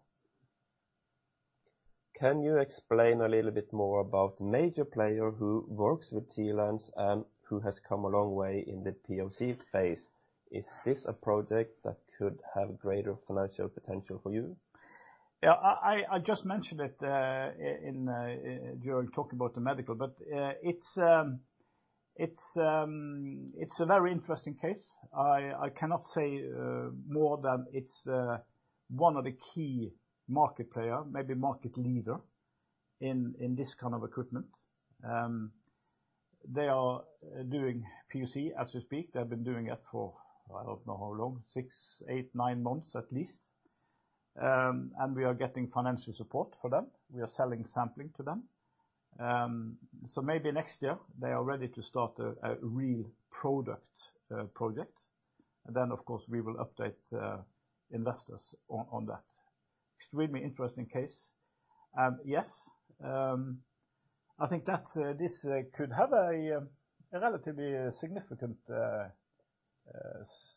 Can you explain a little bit more about major player who works with TLens and who has come a long way in the POC phase? Is this a project that could have greater financial potential for you? Yeah, I just mentioned it in during talk about the medical, but it's a very interesting case. I cannot say more than it's one of the key market player, maybe market leader in this kind of equipment. They are doing POC as we speak. They've been doing it for, I don't know how long, six, eight, nine months at least. We are getting financial support for them. We are selling sampling to them. Maybe next year they are ready to start a real product project. Of course, we will update investors on that. Extremely interesting case. Yes, I think that this could have a relatively significant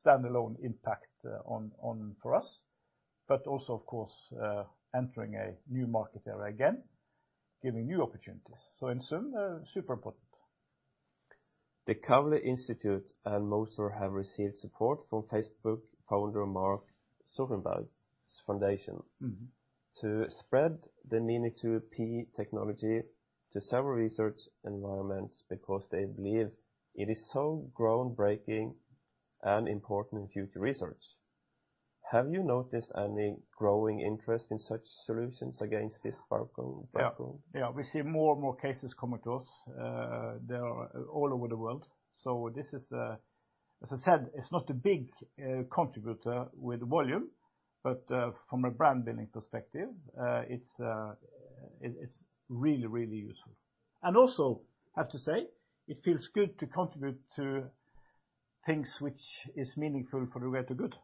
standalone impact on for us, but also of course, entering a new market area again, giving new opportunities. In sum, super important. The Kavli Institute and Moser have received support from Facebook founder Mark Zuckerberg's foundation. Mm-hmm... to spread the Mini2P technology to several research environments because they believe it is so groundbreaking and important in future research. Have you noticed any growing interest in such solutions against this background? Yeah. Yeah. We see more and more cases coming to us, they are all over the world. This is, as I said, it's not a big contributor with volume, but from a brand building perspective, it's really, really useful. Also, I have to say, it feels good to contribute to things which is meaningful for the greater good.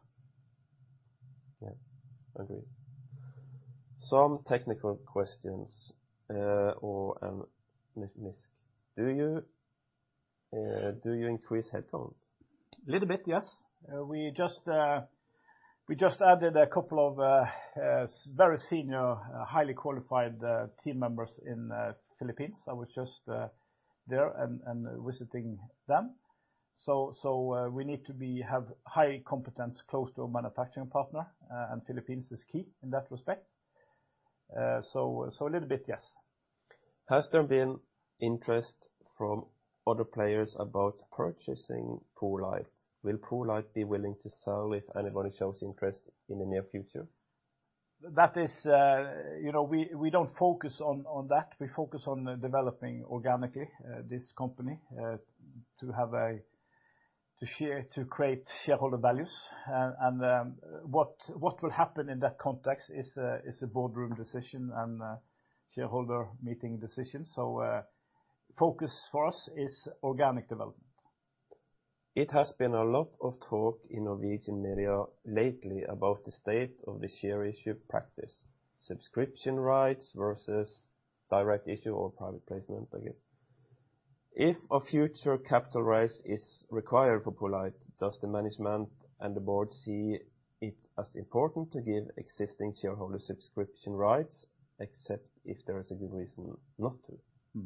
Agreed. Some technical questions, or, and misc. Do you increase headcount? Little bit, yes. We just added a couple of very senior, highly qualified team members in Philippines. I was just there and visiting them. We need to have high competence close to a manufacturing partner, and Philippines is key in that respect. A little bit, yes. Has there been interest from other players about purchasing poLight? Will poLight be willing to sell if anybody shows interest in the near future? That is, you know, we don't focus on that. We focus on developing organically, this company, to share, to create shareholder values. What will happen in that context is a boardroom decision and a shareholder meeting decision. Focus for us is organic development. It has been a lot of talk in Norwegian media lately about the state of the share issue practice. Subscription rights versus direct issue or private placement, I guess. If a future capital raise is required for poLight, does the management and the board see it as important to give existing shareholder subscription rights, except if there is a good reason not to?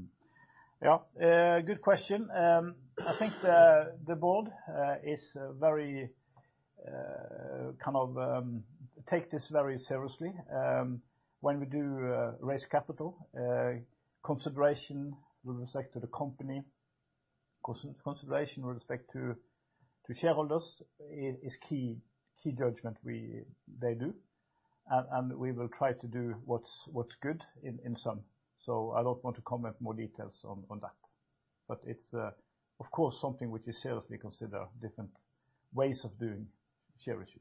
Yeah. Good question. I think the board is very kind of take this very seriously. When we do raise capital, consideration with respect to the company, consideration with respect to shareholders is key judgment they do. We will try to do what's good in sum. I don't want to comment more details on that. It's of course something which we seriously consider different ways of doing share issue.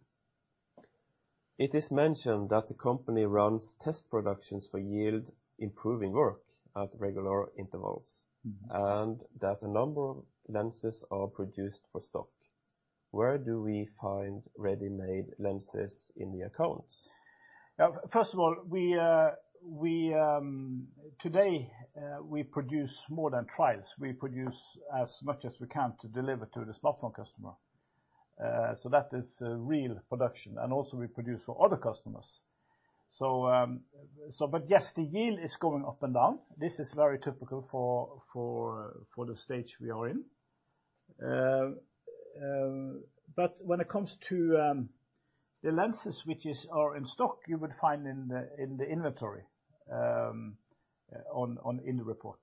It is mentioned that the company runs test productions for yield improving work at regular intervals. Mm-hmm ...and that a number of lenses are produced for stock. Where do we find ready-made lenses in the accounts? Yeah. First of all, we, today, we produce more than trials. We produce as much as we can to deliver to the smartphone customer. That is real production. Also we produce for other customers. But yes, the yield is going up and down. This is very typical for the stage we are in. But when it comes to the lenses which are in stock, you would find in the inventory, in the report.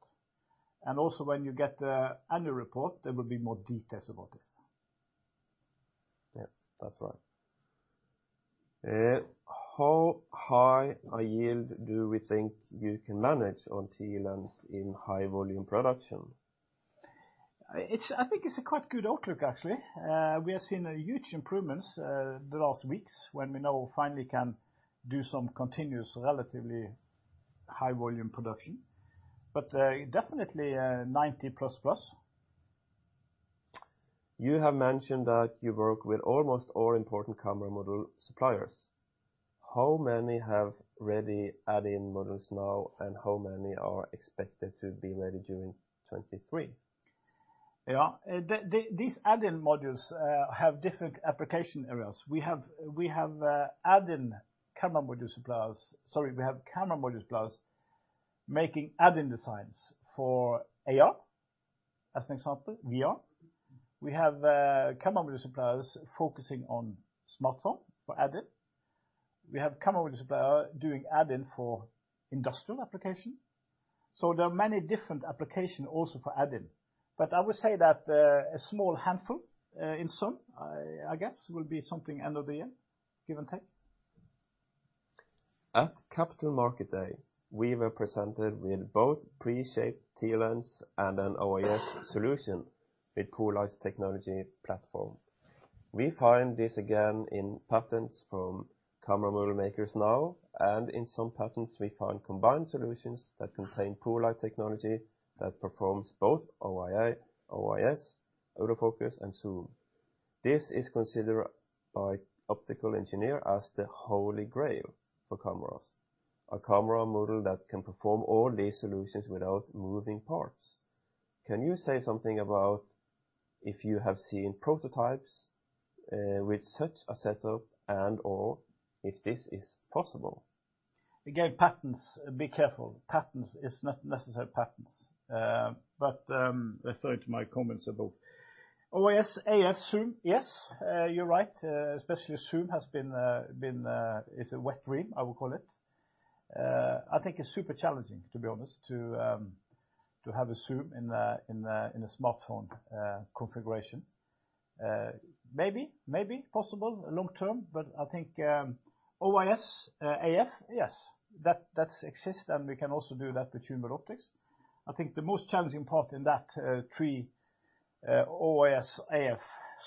Also when you get the annual report, there will be more details about this. Yeah, that's right. How high a yield do we think you can manage on TLens in high volume production? I think it's a quite good outlook actually. We have seen a huge improvements, the last weeks when we now finally can do some continuous, relatively high volume production. Definitely, 90 plus plus. You have mentioned that you work with almost all important camera module suppliers. How many have ready add-in modules now, and how many are expected to be ready during 2023? Yeah. These add-in modules have different application areas. We have camera module suppliers making add-in designs for AR, as an example, VR. We have camera module suppliers focusing on smartphone for add-in. We have camera module supplier doing add-in for industrial application. There are many different application also for add-in. I would say that a small handful, in sum, I guess will be something end of the year, give and take. At Capital Market Day, we were presented with both pre-shaped TLens and an OIS solution with poLight's technology platform. We find this again in patents from camera module makers now. In some patents we find combined solutions that contain poLight technology that performs both OIA, OIS, autofocus and zoom. This is considered by optical engineer as the holy grail for cameras. A camera module that can perform all these solutions without moving parts. Can you say something about if you have seen prototypes with such a setup and/or if this is possible? Again, patents, be careful. Patents is not necessary patents. Referring to my comments above. OIS, AF zoom, yes, you're right. Especially zoom has been, is a wet dream, I would call it. I think it's super challenging, to be honest, to have a zoom in a smartphone configuration. Maybe, maybe possible long term, but I think OIS, AF, yes. That exists and we can also do that with polymer optics. I think the most challenging part in that three OIS, AF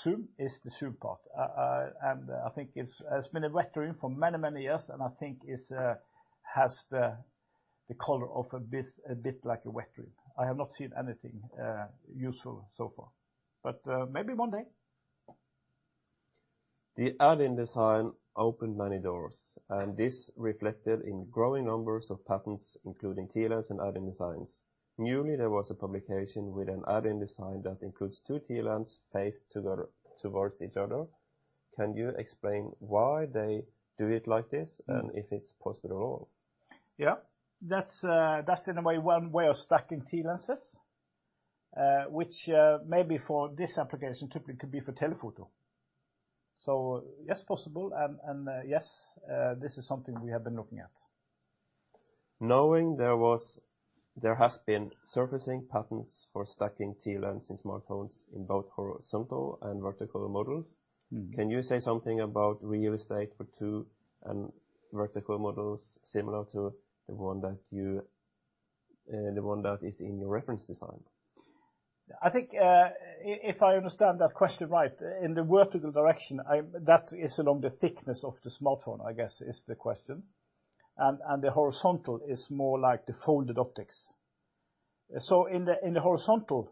zoom is the zoom part. I think it's been a wet dream for many, many years, and I think it's has the color of a bit like a wet dream. I have not seen anything useful so far. Maybe one day. The add-in design opened many doors, and this reflected in growing numbers of patents, including TLenses and add-in designs. Newly, there was a publication with an add-in design that includes two TLens faced together towards each other. Can you explain why they do it like this, and if it's possible at all? Yeah. That's, that's in a way, one way of stacking TLens. Which, maybe for this application typically could be for telephoto. Yes, possible. Yes, this is something we have been looking at. Knowing there has been surfacing patents for stacking TLens in smartphones in both horizontal and vertical models. Mm-hmm. Can you say something about real estate for two and vertical models similar to the one that you, the one that is in your reference design? I think, if I understand that question right, in the vertical direction, that is along the thickness of the smartphone, I guess is the question. The horizontal is more like the folded optics. In the horizontal,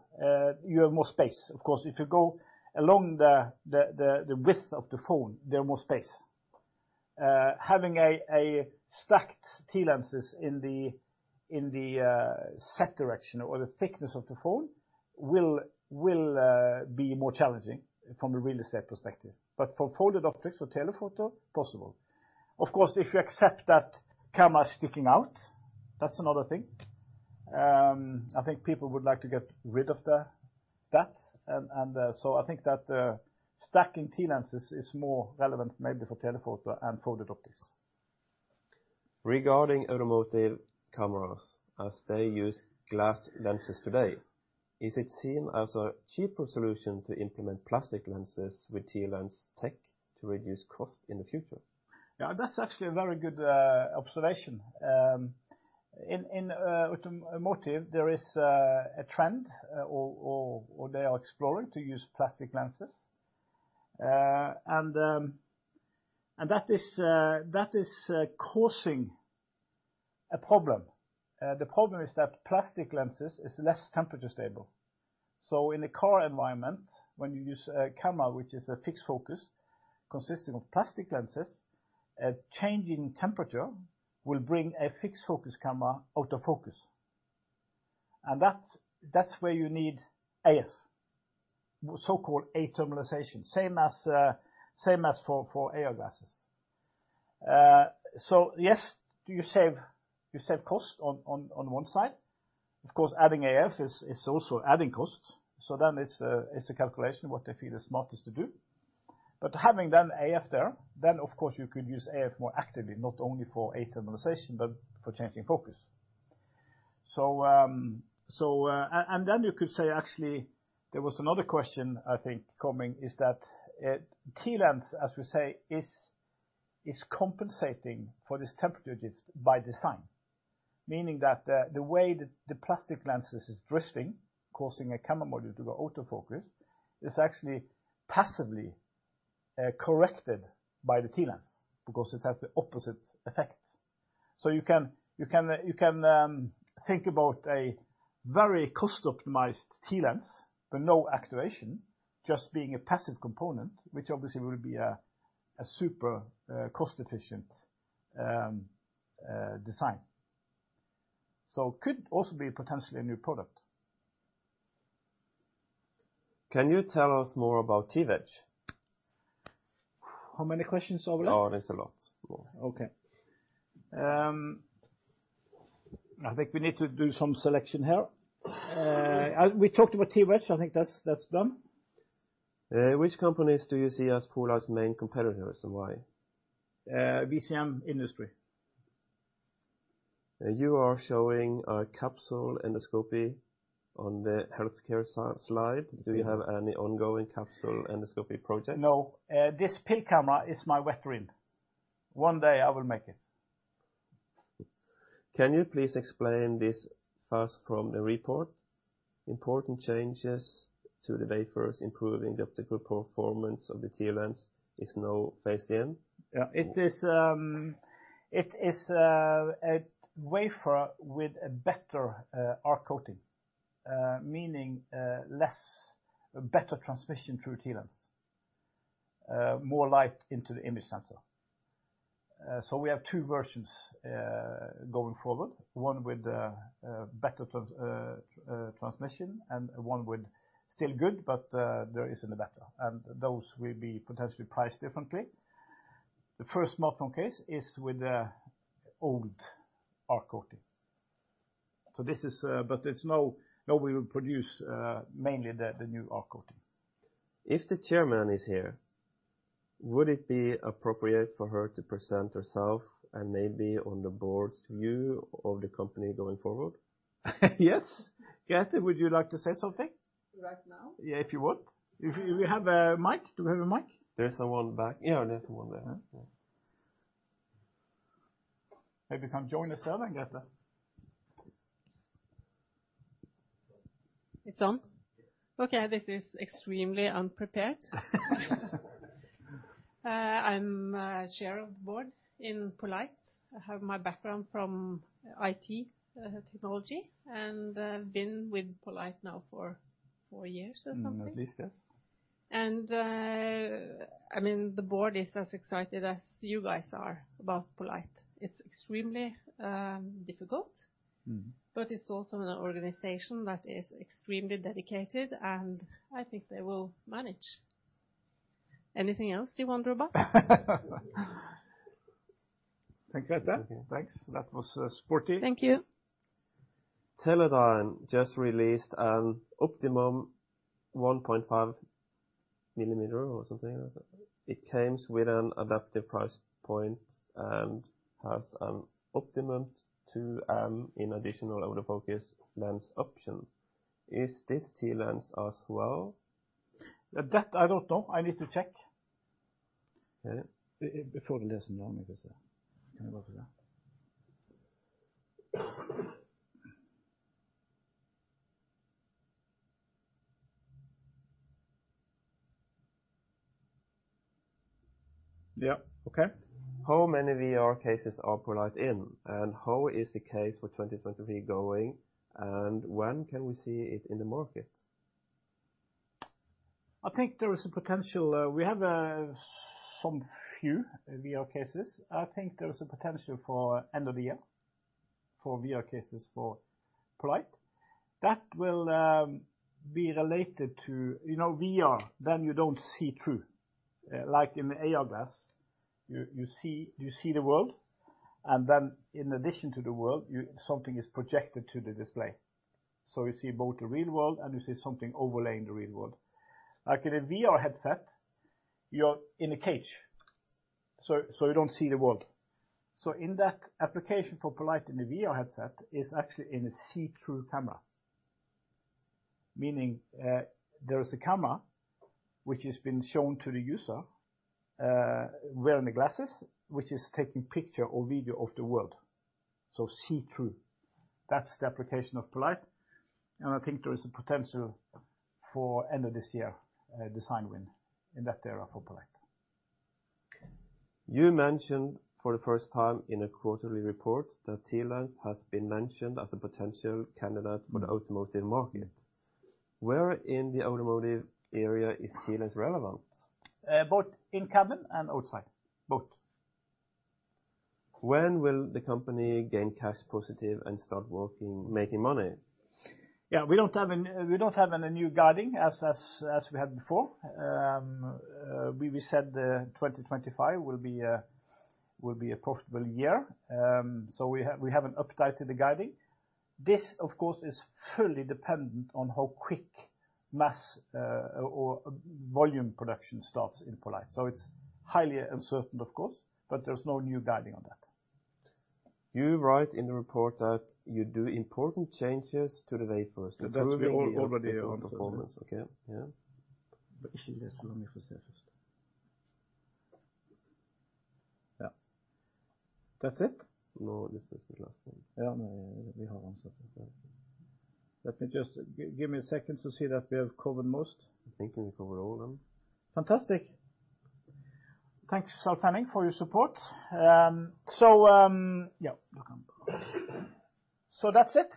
you have more space. Of course, if you go along the width of the phone, there are more space. Having a stacked TLenses in the set direction or the thickness of the phone will be more challenging from a real estate perspective. For folded optics or telephoto, possible. Of course, if you accept that camera sticking out, that's another thing. I think people would like to get rid of that, and so I think that stacking TLenses is more relevant maybe for telephoto and folded optics. Regarding automotive cameras, as they use glass lenses today, is it seen as a cheaper solution to implement plastic lenses with TLens tech to reduce cost in the future? Yeah, that's actually a very good observation. In automotive, there is a trend or they are exploring to use plastic lenses. That is causing a problem. The problem is that plastic lenses is less temperature stable. In a car environment, when you use a camera which is a fixed focus consisting of plastic lenses, a change in temperature will bring a fixed focus camera out of focus. That's where you need AF, so-called athermalization, same as for AR glasses. Yes, you save cost on one side. Of course, adding AF is also adding costs. It's a calculation, what they feel is smartest to do. Having then AF there, then of course you could use AF more actively, not only for athermalization but for changing focus. Then you could say actually there was another question, I think, coming, is that TLens, as we say, is compensating for this temperature just by design. Meaning that the way the plastic lens is drifting, causing a camera module to go out of focus, is actually passively corrected by the TLens because it has the opposite effect. You can think about a very cost-optimized TLens with no activation, just being a passive component, which obviously will be a super cost-efficient design. Could also be potentially a new product. Can you tell us more about TWedge? How many questions are left? Oh, there's a lot more. I think we need to do some selection here. We talked about TWedge. I think that's done. Which companies do you see as poLight's main competitors and why? VCM industry. You are showing a capsule endoscopy on the healthcare slide. Yes. Do you have any ongoing capsule endoscopy projects? This pill camera is my wet dream. One day I will make it. Can you please explain this first from the report, important changes to the wafers, improving the optical performance of the TLens is now phased in. Yeah. It is a wafer with a better ARC coating, meaning a better transmission through TLens, more light into the image sensor. We have two versions going forward. One with better transmission and one with still good, but there isn't a better. Those will be potentially priced differently. The first smartphone case is with the old ARC coating. This is, now we will produce mainly the new ARC coating. If the chairman is here, would it be appropriate for her to present herself and maybe on the board's view of the company going forward? Yes. Grethe, would you like to say something? Right now? Yeah, if you want. If you have a mic. Do we have a mic? There's someone back. Yeah, there's one there. Maybe come join us then, Grethe. It's on? Yes. Okay. This is extremely unprepared. I'm chair of the board in poLight. I have my background from IT, technology, and I've been with poLight now for four years or something. At least, yes. I mean, the board is as excited as you guys are about poLight. It's extremely difficult. Mm-hmm. It's also an organization that is extremely dedicated, and I think they will manage. Anything else you wonder about? Thank you, Grethe. Okay, thanks. That was supportive. Thank you. Teledyne just released an Optimom 1.5 millimeter or something. It comes with an adaptive price point and has an Optimom 2M in additional autofocus lens option. Is this TLens as well? That I don't know. I need to check. Before we listen, let me just... Can I go for that? Yeah. Okay. How many VR cases are poLight in? How is the case for 2023 going? When can we see it in the market? I think there is a potential. We have some few VR cases. I think there is a potential for end of the year for VR cases for poLight. That will be related to, you know, VR, then you don't see through. Like in the AR glass, you see the world, and then in addition to the world, something is projected to the display. You see both the real world and you see something overlaying the real world. Like, in a VR headset, you're in a cage, so you don't see the world. In that application for poLight in the VR headset is actually in a see-through camera. Meaning, there is a camera which has been shown to the user, wearing the glasses, which is taking picture or video of the world. See-through. That's the application of poLight, and I think there is a potential for end of this year, design win in that area for poLight. You mentioned for the first time in a quarterly report that TLens has been mentioned as a potential candidate for the automotive market. Where in the automotive area is TLens relevant? Both in cabin and outside. Both. When will the company gain cash positive and start working, making money? Yeah. We don't have a new guiding as we had before. We said 2025 will be a profitable year. We have an updated the guiding. This, of course, is fully dependent on how quick mass or volume production starts in poLight. It's highly uncertain, of course, but there's no new guiding on that. You write in the report that you do important changes to the way for us to improve... That we already answered. the overall performance. Okay. Yeah. Actually, let's run me for surface. Yeah. That's it? No, this is the last one. Yeah, no, we have answered that one. Let me just give me a second to see that we have covered most. I think we covered all of them. Fantastic. Thanks, Ole-Tanning, for your support. Yeah. Welcome. That's it.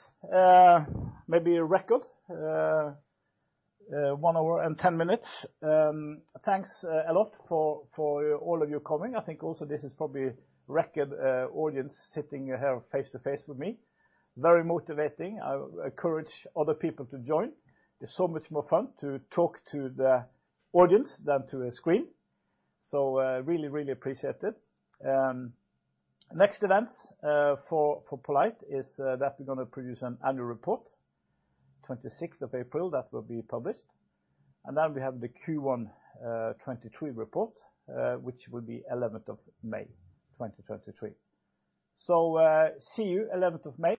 Maybe a record, 1 hour and 10 minutes. Thanks a lot for all of you coming. I think also this is probably record audience sitting here face-to-face with me. Very motivating. I encourage other people to join. It's so much more fun to talk to the audience than to a screen. Really appreciate it. Next events for poLight is that we're gonna produce an annual report, April 26th, that will be published. We have the Q1 2023 report, which will be May 11th, 2023. See you May 11th.